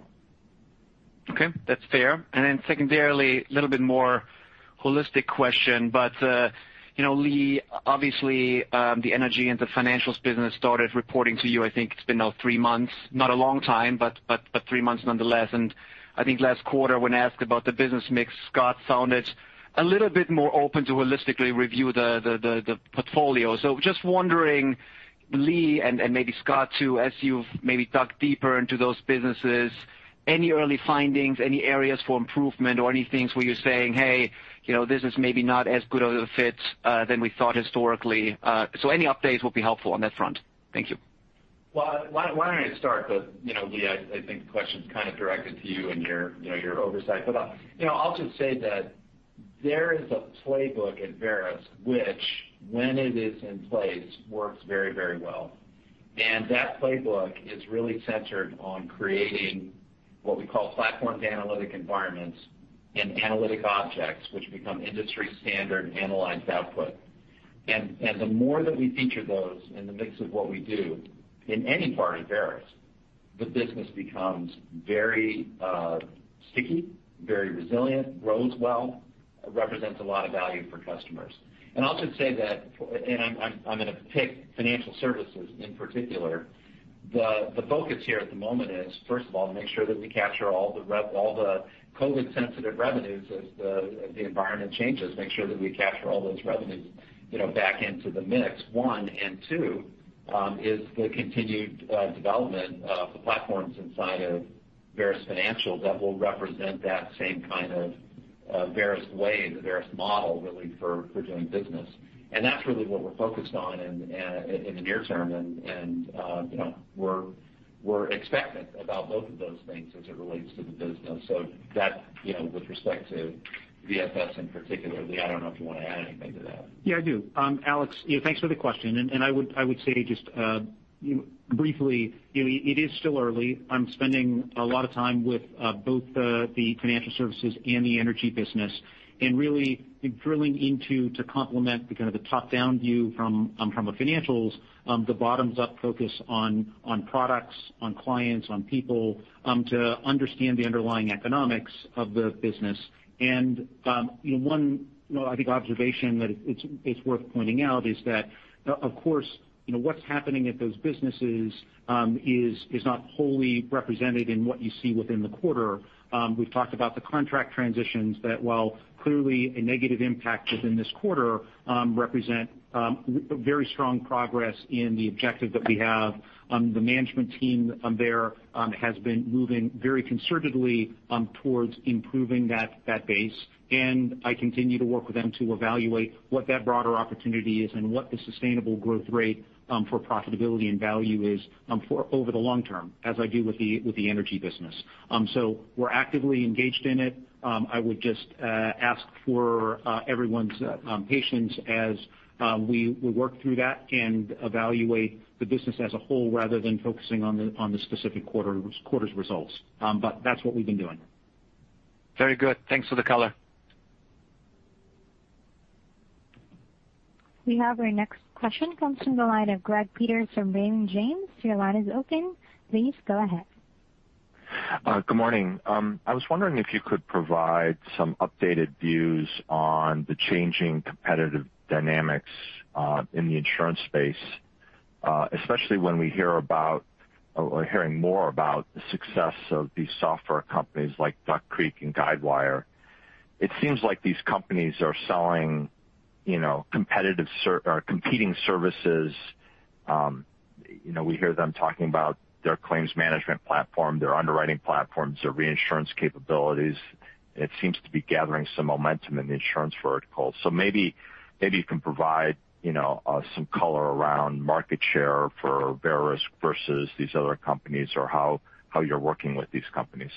Okay. That's fair. Secondarily, a little bit more holistic question. Lee, obviously, the energy and the financials business started reporting to you, I think it's been now three months. Not a long time, but three months nonetheless. I think last quarter, when asked about the business mix, Scott sounded a little bit more open to holistically review the portfolio. Just wondering, Lee, and maybe Scott, too, as you've maybe dug deeper into those businesses, any early findings, any areas for improvement or any things where you're saying, "Hey, this is maybe not as good of a fit than we thought historically." Any updates will be helpful on that front. Thank you. Well, why don't I start? Lee, I think the question's kind of directed to you and your oversight. I'll just say that there is a playbook at Verisk, which when it is in place, works very well. That playbook is really centered on creating what we call platform analytic environments and analytic objects, which become industry-standard analyzed output. The more that we feature those in the mix of what we do in any part of Verisk, the business becomes very sticky, very resilient, grows well, represents a lot of value for customers. I'll just say that, and I'm going to pick financial services in particular. The focus here at the moment is, first of all, to make sure that we capture all the COVID-sensitive revenues as the environment changes, make sure that we capture all those revenues back into the mix, one. Two, is the continued development of the platforms inside of Verisk Financial that will represent that same kind of Verisk way, the Verisk model, really, for doing business. That's really what we're focused on in the near term, and we're expectant about both of those things as it relates to the business. That with respect to VFS in particular. Lee, I don't know if you want to add anything to that. Yeah, I do. Alex Kramm, thanks for the question. I would say just briefly, it is still early. I'm spending a lot of time with both the financial services and the energy business and really drilling into to complement the kind of the top-down view from a financials, the bottoms-up focus on products, on clients, on people to understand the underlying economics of the business. One I think observation that it's worth pointing out is that, of course what's happening at those businesses is not wholly represented in what you see within the quarter. We've talked about the contract transitions that while clearly a negative impact within this quarter, represent very strong progress in the objective that we have. The management team there has been moving very concertedly towards improving that base, and I continue to work with them to evaluate what that broader opportunity is and what the sustainable growth rate for profitability and value is over the long term, as I do with the energy business. We're actively engaged in it. I would just ask for everyone's patience as we work through that and evaluate the business as a whole, rather than focusing on the specific quarter's results. That's what we've been doing. Very good. Thanks for the color. We have our next question, comes from the line of Greg Peters from Raymond James. Your line is open. Please go ahead. Good morning. I was wondering if you could provide some updated views on the changing competitive dynamics in the insurance space, especially when we hear about or hearing more about the success of these software companies like Duck Creek and Guidewire. It seems like these companies are selling competing services. We hear them talking about their claims management platform, their underwriting platforms, their reinsurance capabilities. It seems to be gathering some momentum in the insurance vertical. Maybe you can provide some color around market share for Verisk versus these other companies or how you're working with these companies?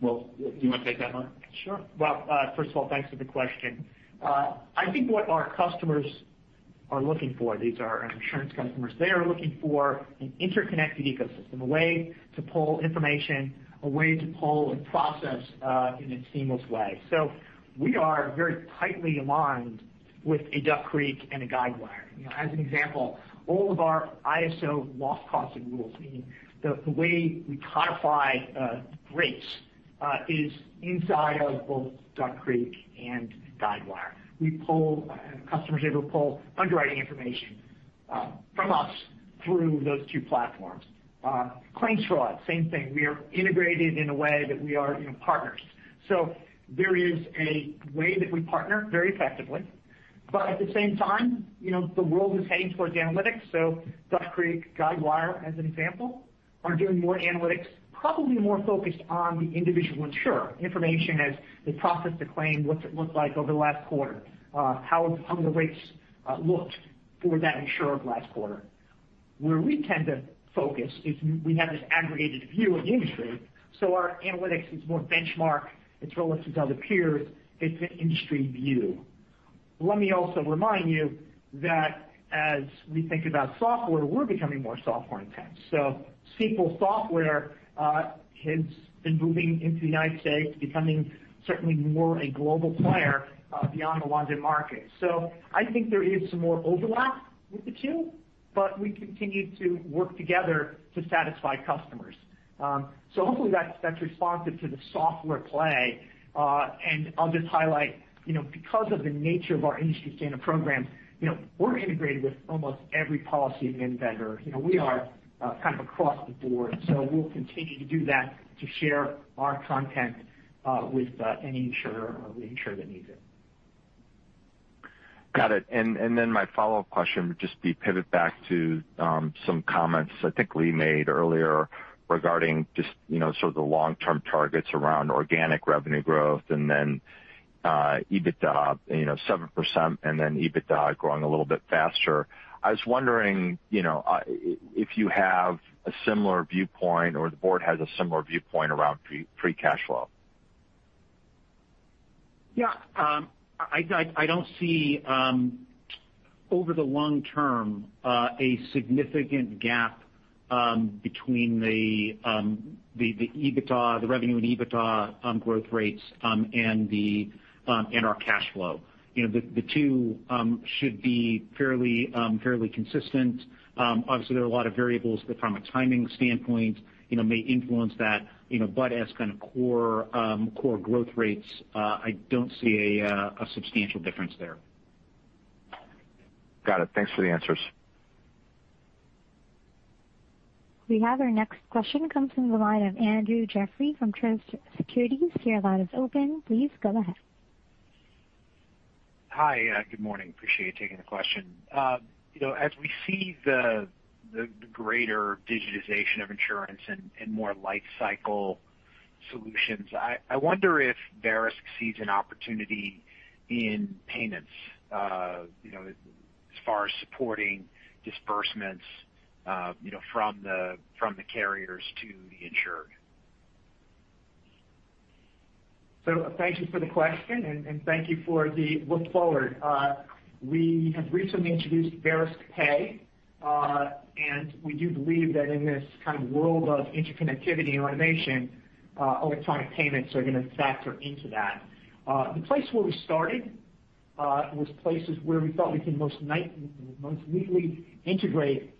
Well, do you want to take that one? Sure. Well, first of all, thanks for the question. I think what our customers are looking for, these are insurance customers, they are looking for an interconnected ecosystem, a way to pull information, a way to pull and process in a seamless way. We are very tightly aligned with a Duck Creek and a Guidewire. As an example, all of our ISO loss costing rules, meaning the way we codify rates, is inside of both Duck Creek and Guidewire. Customers are able to pull underwriting information from us through those two platforms. Claims fraud, same thing. We are integrated in a way that we are partners. There is a way that we partner very effectively. At the same time, the world is heading towards analytics. Duck Creek, Guidewire, as an example, are doing more analytics, probably more focused on the individual insurer. Information as they process the claim, what's it look like over the last quarter? How have the rates looked for that insurer of last quarter? Where we tend to focus is we have this aggregated view of the industry, our analytics is more benchmark. It's relative to other peers. It's an industry view. Let me also remind you that as we think about software, we're becoming more software-intense. Sequel Software has been moving into the U.S., becoming certainly more a global player beyond the London market. I think there is some more overlap with the two, we continue to work together to satisfy customers. Hopefully that's responsive to the software play. I'll just highlight, because of the nature of our industry standard programs, we're integrated with almost every policy admin vendor. We are kind of across the board. We'll continue to do that to share our content with any insurer or reinsurer that needs it. Got it. Then my follow-up question would just be pivot back to some comments I think Lee made earlier regarding just sort of the long-term targets around organic revenue growth and then EBITDA, 7%, and then EBITDA growing a little bit faster. I was wondering if you have a similar viewpoint or the board has a similar viewpoint around free cash flow? Yeah. I don't see, over the long term, a significant gap between the revenue and EBITDA growth rates and our cash flow. The two should be fairly consistent. Obviously, there are a lot of variables that from a timing standpoint may influence that. As kind of core growth rates, I don't see a substantial difference there. Got it. Thanks for the answers. We have our next question comes from the line of Andrew Jeffrey from Truist Securities. Your line is open. Please go ahead. Hi. Good morning. Appreciate you taking the question. As we see the greater digitization of insurance and more life cycle solutions, I wonder if Verisk sees an opportunity in payments as far as supporting disbursements from the carriers to the insured? Thank you for the question, and thank you for the look forward. We have recently introduced VeriskPay, and we do believe that in this kind of world of interconnectivity and automation, electronic payments are going to factor into that. The place where we started was places where we felt we can most neatly integrate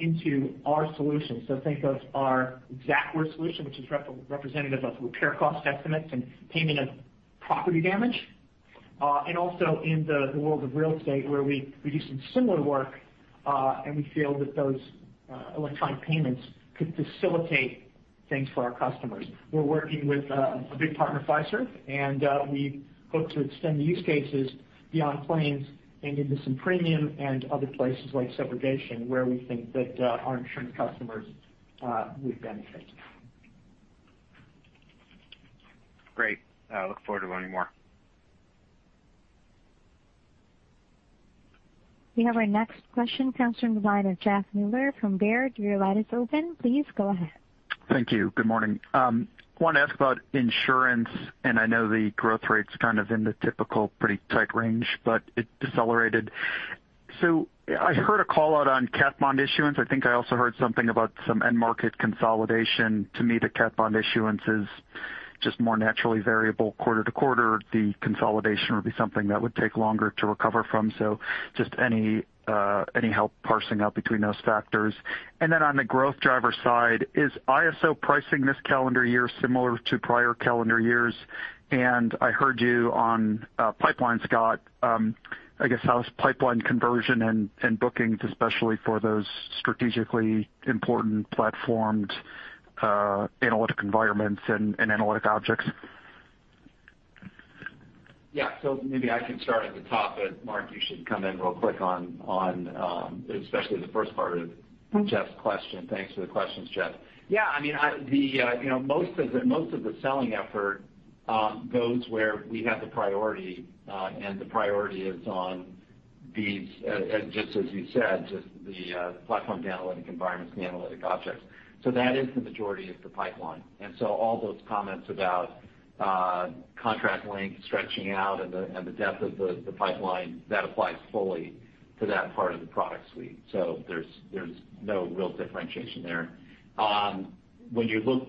into our solution. Think of our Xactware solution, which is representative of repair cost estimates and payment of property damage, and also in the world of real estate where we do some similar work, and we feel that those electronic payments could facilitate things for our customers. We're working with a big partner, Fiserv, and we hope to extend the use cases beyond claims and into some premium and other places like subrogation, where we think that our insurance customers would benefit. Great. Look forward to learning more. We have our next question comes from the line of Jeff Meuler from Baird. Your line is open. Please go ahead. Thank you. Good morning. Wanted to ask about insurance, and I know the growth rate's kind of in the typical pretty tight range, but it decelerated. I heard a call out on cat bond issuance. I think I also heard something about some end market consolidation. To me, the cat bond issuance is just more naturally variable quarter to quarter. The consolidation would be something that would take longer to recover from. Just any help parsing out between those factors? On the growth driver side, is ISO pricing this calendar year similar to prior calendar years? I heard you on pipelines, Scott. I guess how's pipeline conversion and bookings, especially for those strategically important platforms, analytic environments and analytic objects? Yeah. Maybe I can start at the top, but Mark, you should come in real quick on, especially the first part of Jeff's question. Thanks for the questions, Jeff. Yeah, most of the selling effort, goes where we have the priority, and the priority is on these, just as you said, just the platforms, the analytic environments, the analytic objects. All those comments about contract length stretching out and the depth of the pipeline, that applies fully to that part of the product suite. There's no real differentiation there. When you look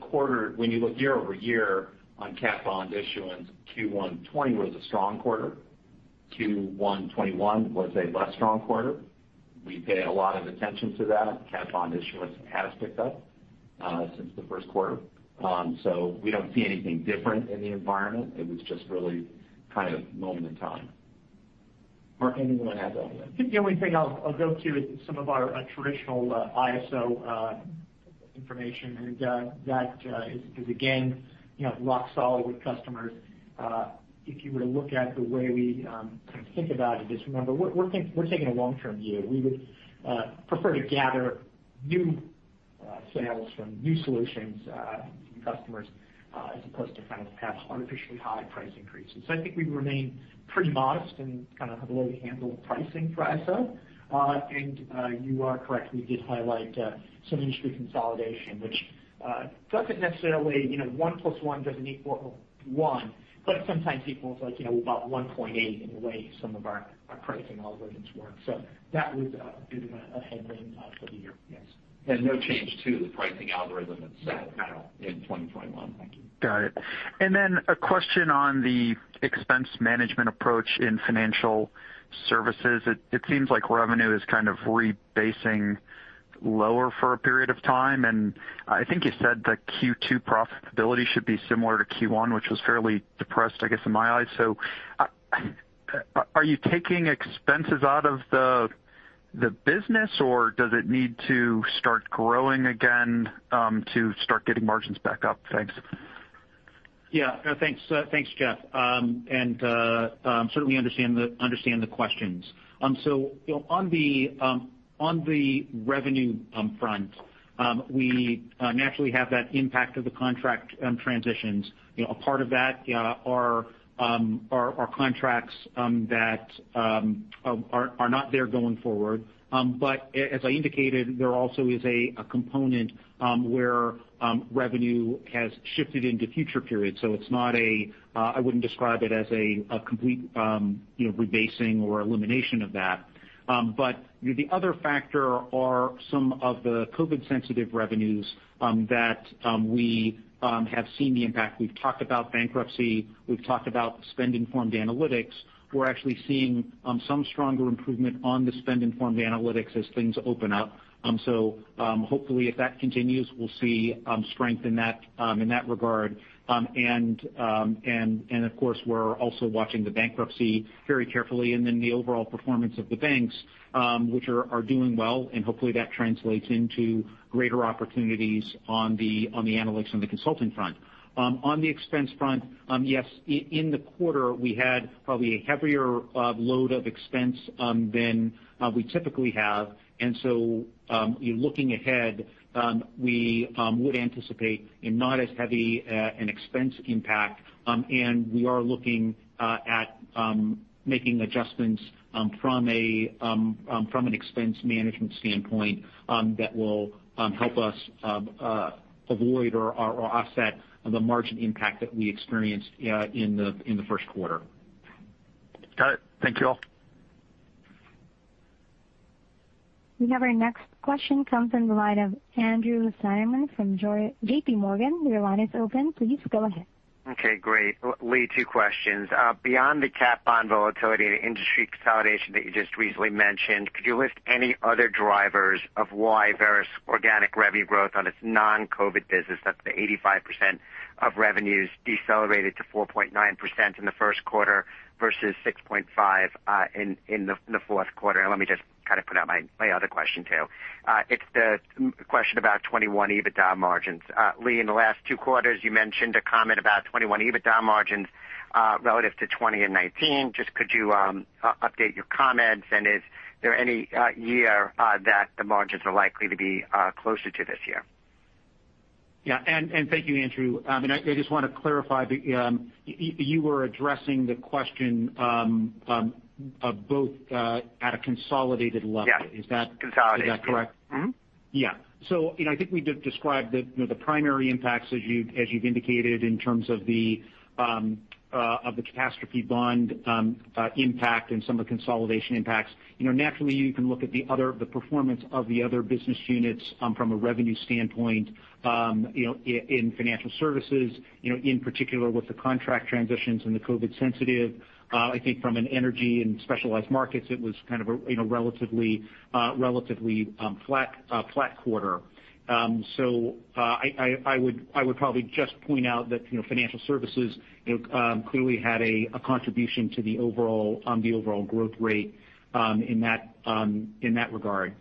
year-over-year on cat bond issuance, Q1 2020 was a strong quarter. Q1 2021 was a less strong quarter. We pay a lot of attention to that, and cat bond issuance has picked up since the first quarter. We don't see anything different in the environment. It was just really kind of moment in time. Mark, anything you want to add to that? I think the only thing I'll go to is some of our traditional ISO information, and that is again, rock solid with customers. If you were to look at the way we think about it is, remember, we're taking a long-term view. We would prefer to gather new sales from new solutions from customers, as opposed to have artificially high price increases. I think we remain pretty modest and kind of have a low-handled pricing for ISO. You are correct, we did highlight some industry consolidation, which doesn't necessarily, one plus one doesn't equal one, but it sometimes equals about 1.8 in the way some of our pricing algorithms work. That was a headwind for the year. Yes. No change to the pricing algorithm itself in 2021. Thank you. Got it. A question on the expense management approach in financial services. It seems like revenue is kind of rebasing lower for a period of time, and I think you said that Q2 profitability should be similar to Q1, which was fairly depressed, I guess, in my eyes. Are you taking expenses out of the business, or does it need to start growing again, to start getting margins back up? Thanks. No, thanks, Jeff. Certainly understand the questions. On the revenue front, we naturally have that impact of the contract transitions. A part of that are contracts that are not there going forward. As I indicated, there also is a component where revenue has shifted into future periods. I wouldn't describe it as a complete rebasing or elimination of that. The other factor are some of the COVID-sensitive revenues that we have seen the impact. We've talked about bankruptcy, we've talked about spend-informed analytics. We're actually seeing some stronger improvement on the spend-informed analytics as things open up. Hopefully if that continues, we'll see strength in that regard. Of course, we're also watching the bankruptcy very carefully, and then the overall performance of the banks, which are doing well, and hopefully that translates into greater opportunities on the analytics and the consulting front. On the expense front, yes, in the quarter, we had probably a heavier load of expense than we typically have. Looking ahead, we would anticipate a not as heavy an expense impact, and we are looking at making adjustments from an expense management standpoint that will help us avoid or offset the margin impact that we experienced in the first quarter. Got it. Thank you all. We have our next question comes in the line of Andrew Steinerman from JPMorgan. Your line is open. Please go ahead. Okay, great. Lee, two questions. Beyond the cat bond volatility and industry consolidation that you just recently mentioned, could you list any other drivers of why Verisk organic revenue growth on its non-COVID business, that's the 85% of revenues decelerated to 4.9% in the first quarter versus 6.5% in the fourth quarter. Let me just kind of put out my other question, too. It's the question about 2021 EBITDA margins. Lee, in the last two quarters, you mentioned a comment about 2021 EBITDA margins relative to 2020 and 2019. Just could you update your comments, and is there any year that the margins are likely to be closer to this year? Yeah, and thank you, Andrew. I just want to clarify, you were addressing the question both at a consolidated level. Yes. Is that correct? Consolidated, yes. Mm-hmm. I think we described the primary impacts as you've indicated in terms of the catastrophe bond impact and some of the consolidation impacts. Naturally, you can look at the performance of the other business units from a revenue standpoint in Financial Services, in particular with the contract transitions and the COVID sensitive. I think from an Energy and Specialized Markets, it was kind of a relatively flat quarter. I would probably just point out that Financial Services clearly had a contribution to the overall growth rate in that regard.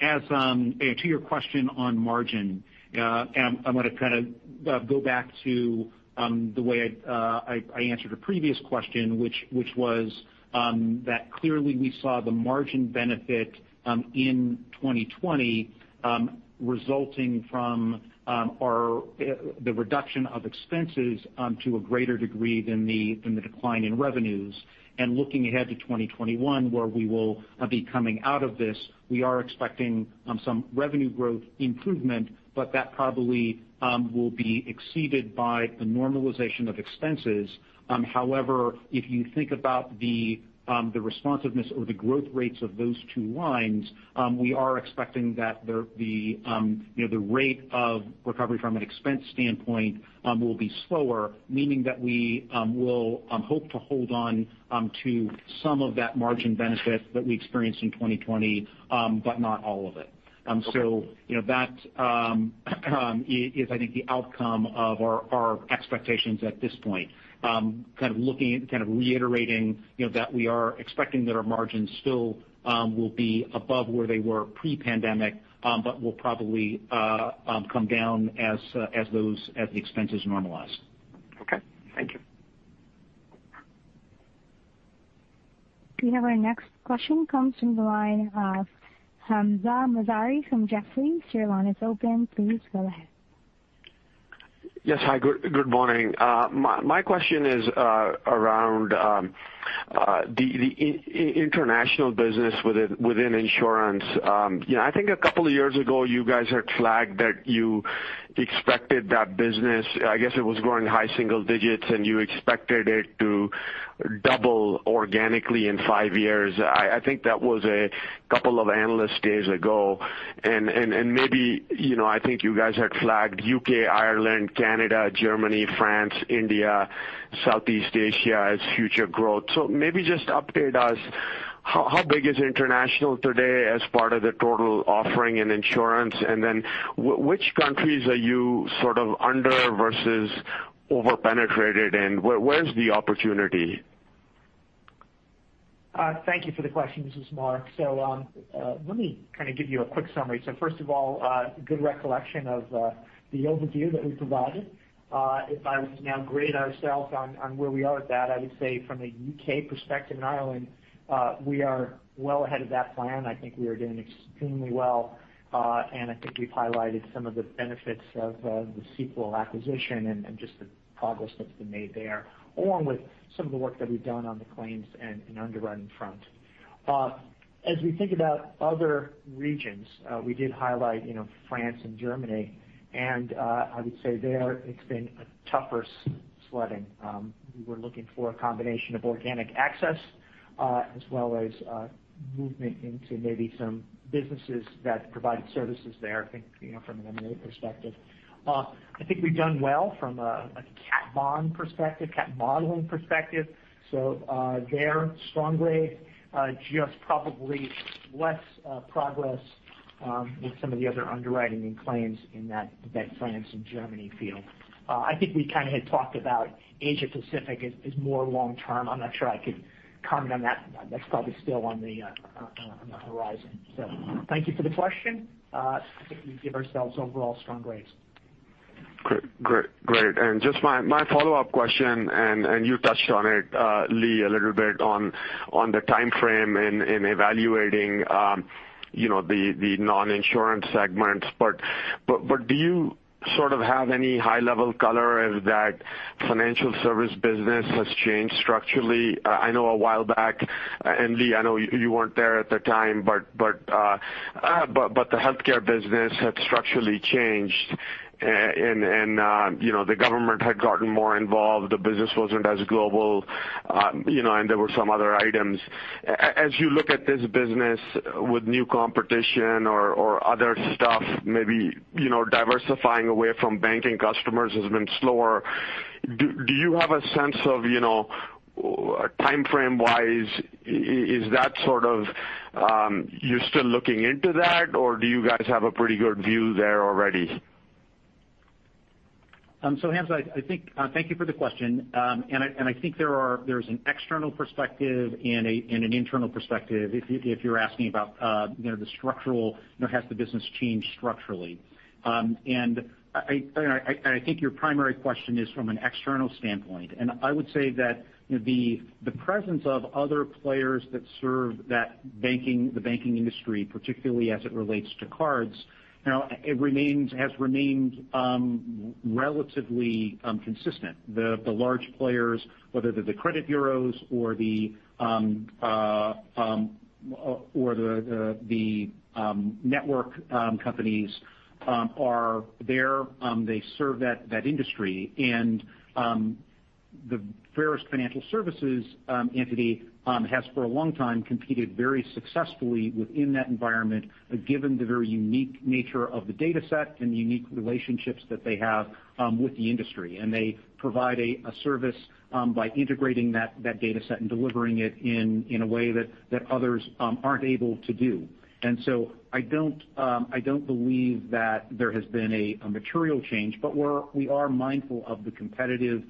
To your question on margin, and I'm going to kind of go back to the way I answered a previous question, which was that clearly we saw the margin benefit in 2020 resulting from the reduction of expenses to a greater degree than the decline in revenues. Looking ahead to 2021, where we will be coming out of this, we are expecting some revenue growth improvement, but that probably will be exceeded by the normalization of expenses. If you think about the responsiveness or the growth rates of those two lines, we are expecting that the rate of recovery from an expense standpoint will be slower, meaning that we will hope to hold on to some of that margin benefit that we experienced in 2020, but not all of it. That is, I think, the outcome of our expectations at this point. Kind of reiterating that we are expecting that our margins still will be above where they were pre-pandemic, but will probably come down as the expenses normalize. Okay. Thank you. We have our next question comes from the line of Hamzah Mazari from Jefferies. Your line is open. Please go ahead. Hi. Good morning. My question is around the international business within insurance. I think a couple of years ago, you guys had flagged that you expected that business, I guess it was growing high single digits, and you expected it to double organically in five years. I think that was a couple of analyst days ago. Maybe, I think you guys had flagged U.K., Ireland, Canada, Germany, France, India, Southeast Asia as future growth. Maybe just update us, how big is international today as part of the total offering in insurance? Then which countries are you sort of under versus over-penetrated, and where is the opportunity? Thank you for the question. This is Mark. Let me kind of give you a quick summary. First of all, good recollection of the overview that we provided. If I was to now grade ourselves on where we are with that, I would say from a U.K. perspective and Ireland, we are well ahead of that plan. I think we are doing extremely well, and I think we've highlighted some of the benefits of the Sequel acquisition and just the progress that's been made there, along with some of the work that we've done on the claims and underwriting front. As we think about other regions, we did highlight France and Germany, and I would say there it's been a tougher sledding. We were looking for a combination of organic access, as well as movement into maybe some businesses that provided services there, I think, from an M&A perspective. I think we've done well from a cat modeling perspective. There, strong grade, just probably less progress with some of the other underwriting and claims in that France and Germany field. I think we kind of had talked about Asia Pacific as more long-term. I'm not sure I could comment on that. That's probably still on the horizon. Thank you for the question. I think we give ourselves overall strong grades. Great. Just my follow-up question, and you touched on it, Lee, a little bit on the timeframe in evaluating the non-insurance segments. Do you sort of have any high-level color if that financial service business has changed structurally? I know a while back, and Lee, I know you weren't there at the time, but the healthcare business had structurally changed, and the government had gotten more involved, the business wasn't as global, and there were some other items. As you look at this business with new competition or other stuff, maybe diversifying away from banking customers has been slower. Do you have a sense of, timeframe-wise, is that sort of you're still looking into that, or do you guys have a pretty good view there already? Hamzah, thank you for the question. I think there's an external perspective and an internal perspective, if you're asking about the structural, has the business changed structurally. I think your primary question is from an external standpoint, and I would say that the presence of other players that serve the banking industry, particularly as it relates to cards, has remained relatively consistent. The large players, whether they're the credit bureaus or the network companies, are there. They serve that industry. The Verisk Financial Services entity has, for a long time, competed very successfully within that environment, given the very unique nature of the data set and the unique relationships that they have with the industry. They provide a service by integrating that data set and delivering it in a way that others aren't able to do. I don't believe that there has been a material change, but we are mindful of the competitive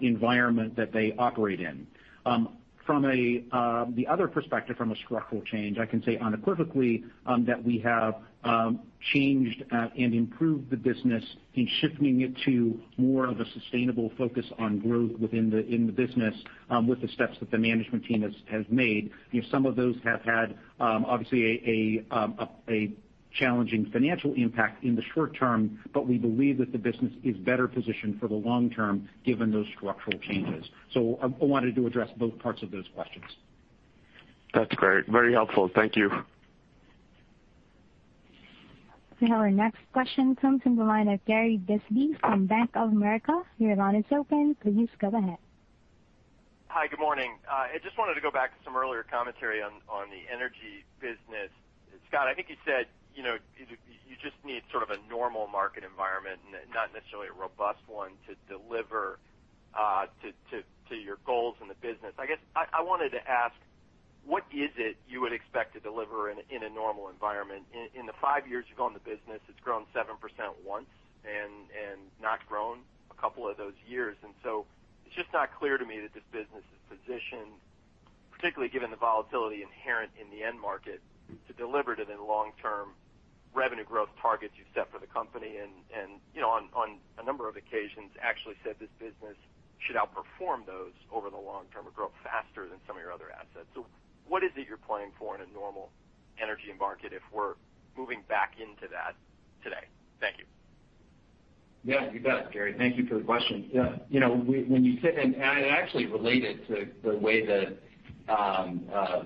environment that they operate in. From the other perspective, from a structural change, I can say unequivocally, that we have changed and improved the business in shifting it to more of a sustainable focus on growth in the business with the steps that the management team has made. Some of those have had, obviously, a challenging financial impact in the short term, but we believe that the business is better positioned for the long term given those structural changes. I wanted to address both parts of those questions. That's great. Very helpful. Thank you. We have our next question come from the line of Gary Bisbee from Bank of America. Your line is open. Please go ahead. Hi, good morning. I just wanted to go back to some earlier commentary on the energy business. Scott, I think you said, you just need sort of a normal market environment and not necessarily a robust one to deliver to your goals in the business. I guess I wanted to ask, what is it you would expect to deliver in a normal environment? In the five years you've owned the business, it's grown 7% once and not grown a couple of those years. It's just not clear to me that this business is positioned, particularly given the volatility inherent in the end market, to deliver to the long-term revenue growth targets you've set for the company. On a number of occasions, actually said this business should outperform those over the long term or grow faster than some of your other assets. What is it you're planning for in a normal energy market if we're moving back into that today? Thank you. Yeah, you bet, Gary. Thank you for the question. I actually relate it to the way that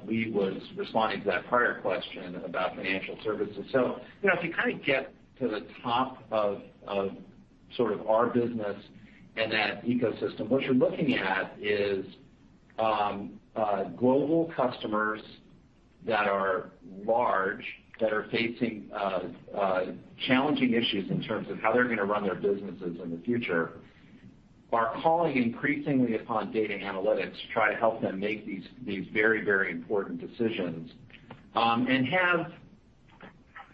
Lee was responding to that prior question about financial services. If you kind of get to the top of sort of our business and that ecosystem, what you're looking at is global customers that are large, that are facing challenging issues in terms of how they're going to run their businesses in the future, are calling increasingly upon data and analytics to try to help them make these very important decisions, and have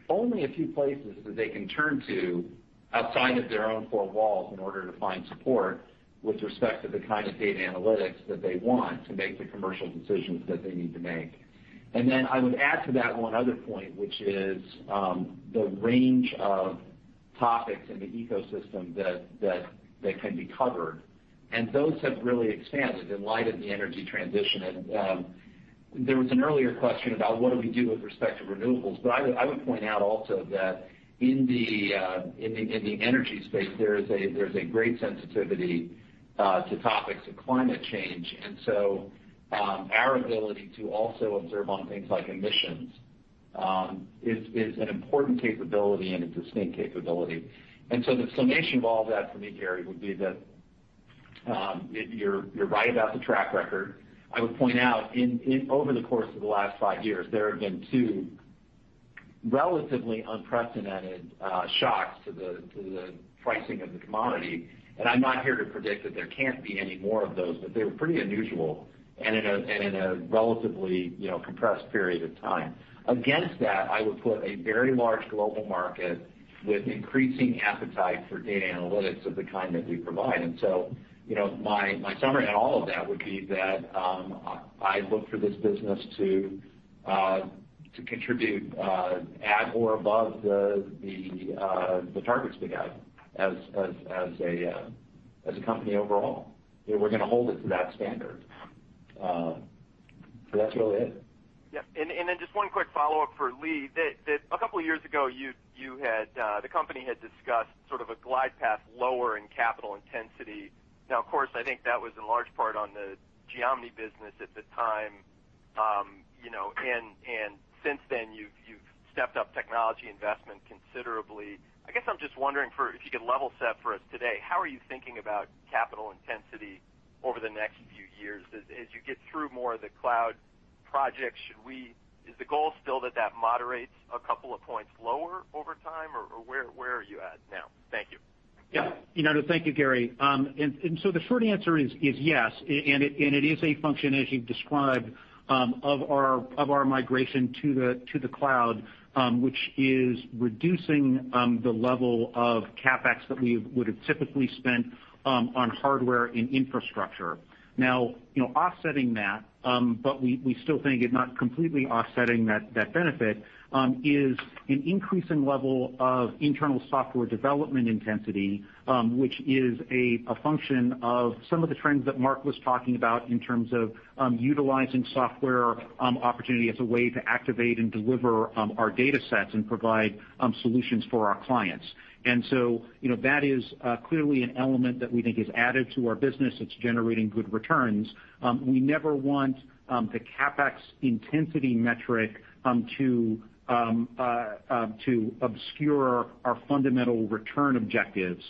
only a few places that they can turn to outside of their own four walls in order to find support with respect to the kind of data analytics that they want to make the commercial decisions that they need to make. I would add to that one other point, which is the range of topics in the ecosystem that can be covered, and those have really expanded in light of the energy transition. There was an earlier question about what do we do with respect to renewables, but I would point out also that in the energy space, there's a great sensitivity to topics of climate change. Our ability to also observe on things like emissions is an important capability and a distinct capability. The summation of all that for me, Gary, would be that you're right about the track record. I would point out over the course of the last five years, there have been two relatively unprecedented shocks to the pricing of the commodity. I'm not here to predict that there can't be any more of those, but they're pretty unusual and in a relatively compressed period of time. Against that, I would put a very large global market with increasing appetite for data analytics of the kind that we provide. My summary on all of that would be that I look for this business to contribute at or above the targets we have as a company overall. We're going to hold it to that standard. That's really it. Then just one quick follow-up for Lee. A couple of years ago, the company had discussed sort of a glide path lower in capital intensity. Now, of course, I think that was in large part on the Geomni business at the time. Since then you've stepped up technology investment considerably. I guess I'm just wondering if you could level set for us today, how are you thinking about capital intensity over the next few years? As you get through more of the cloud projects, is the goal still that that moderates a couple of points lower over time? Where are you at now? Thank you. Thank you, Gary. The short answer is yes, and it is a function as you've described of our migration to the cloud, which is reducing the level of CapEx that we would have typically spent on hardware and infrastructure. Now offsetting that, but we still think it not completely offsetting that benefit, is an increasing level of internal software development intensity, which is a function of some of the trends that Mark was talking about in terms of utilizing software opportunity as a way to activate and deliver our data sets and provide solutions for our clients. That is clearly an element that we think is added to our business. It's generating good returns. We never want the CapEx intensity metric to obscure our fundamental return objectives.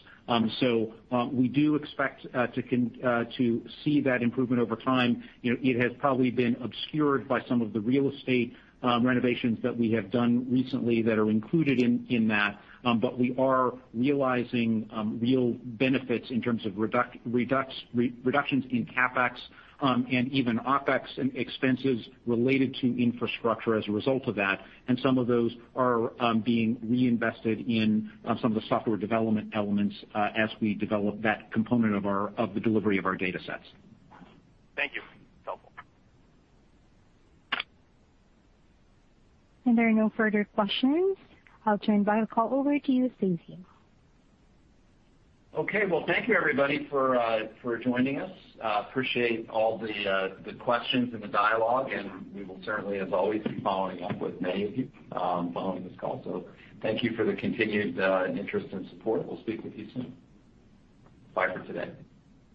We do expect to see that improvement over time. It has probably been obscured by some of the real estate renovations that we have done recently that are included in that. We are realizing real benefits in terms of reductions in CapEx, and even OpEx and expenses related to infrastructure as a result of that. Some of those are being reinvested in some of the software development elements as we develop that component of the delivery of our data sets. Thank you. Helpful. There are no further questions. I'll turn the call over to you, Scott. Well, thank you everybody for joining us. Appreciate all the questions and the dialogue, and we will certainly, as always, be following up with many of you following this call. Thank you for the continued interest and support. We'll speak with you soon. Bye for today.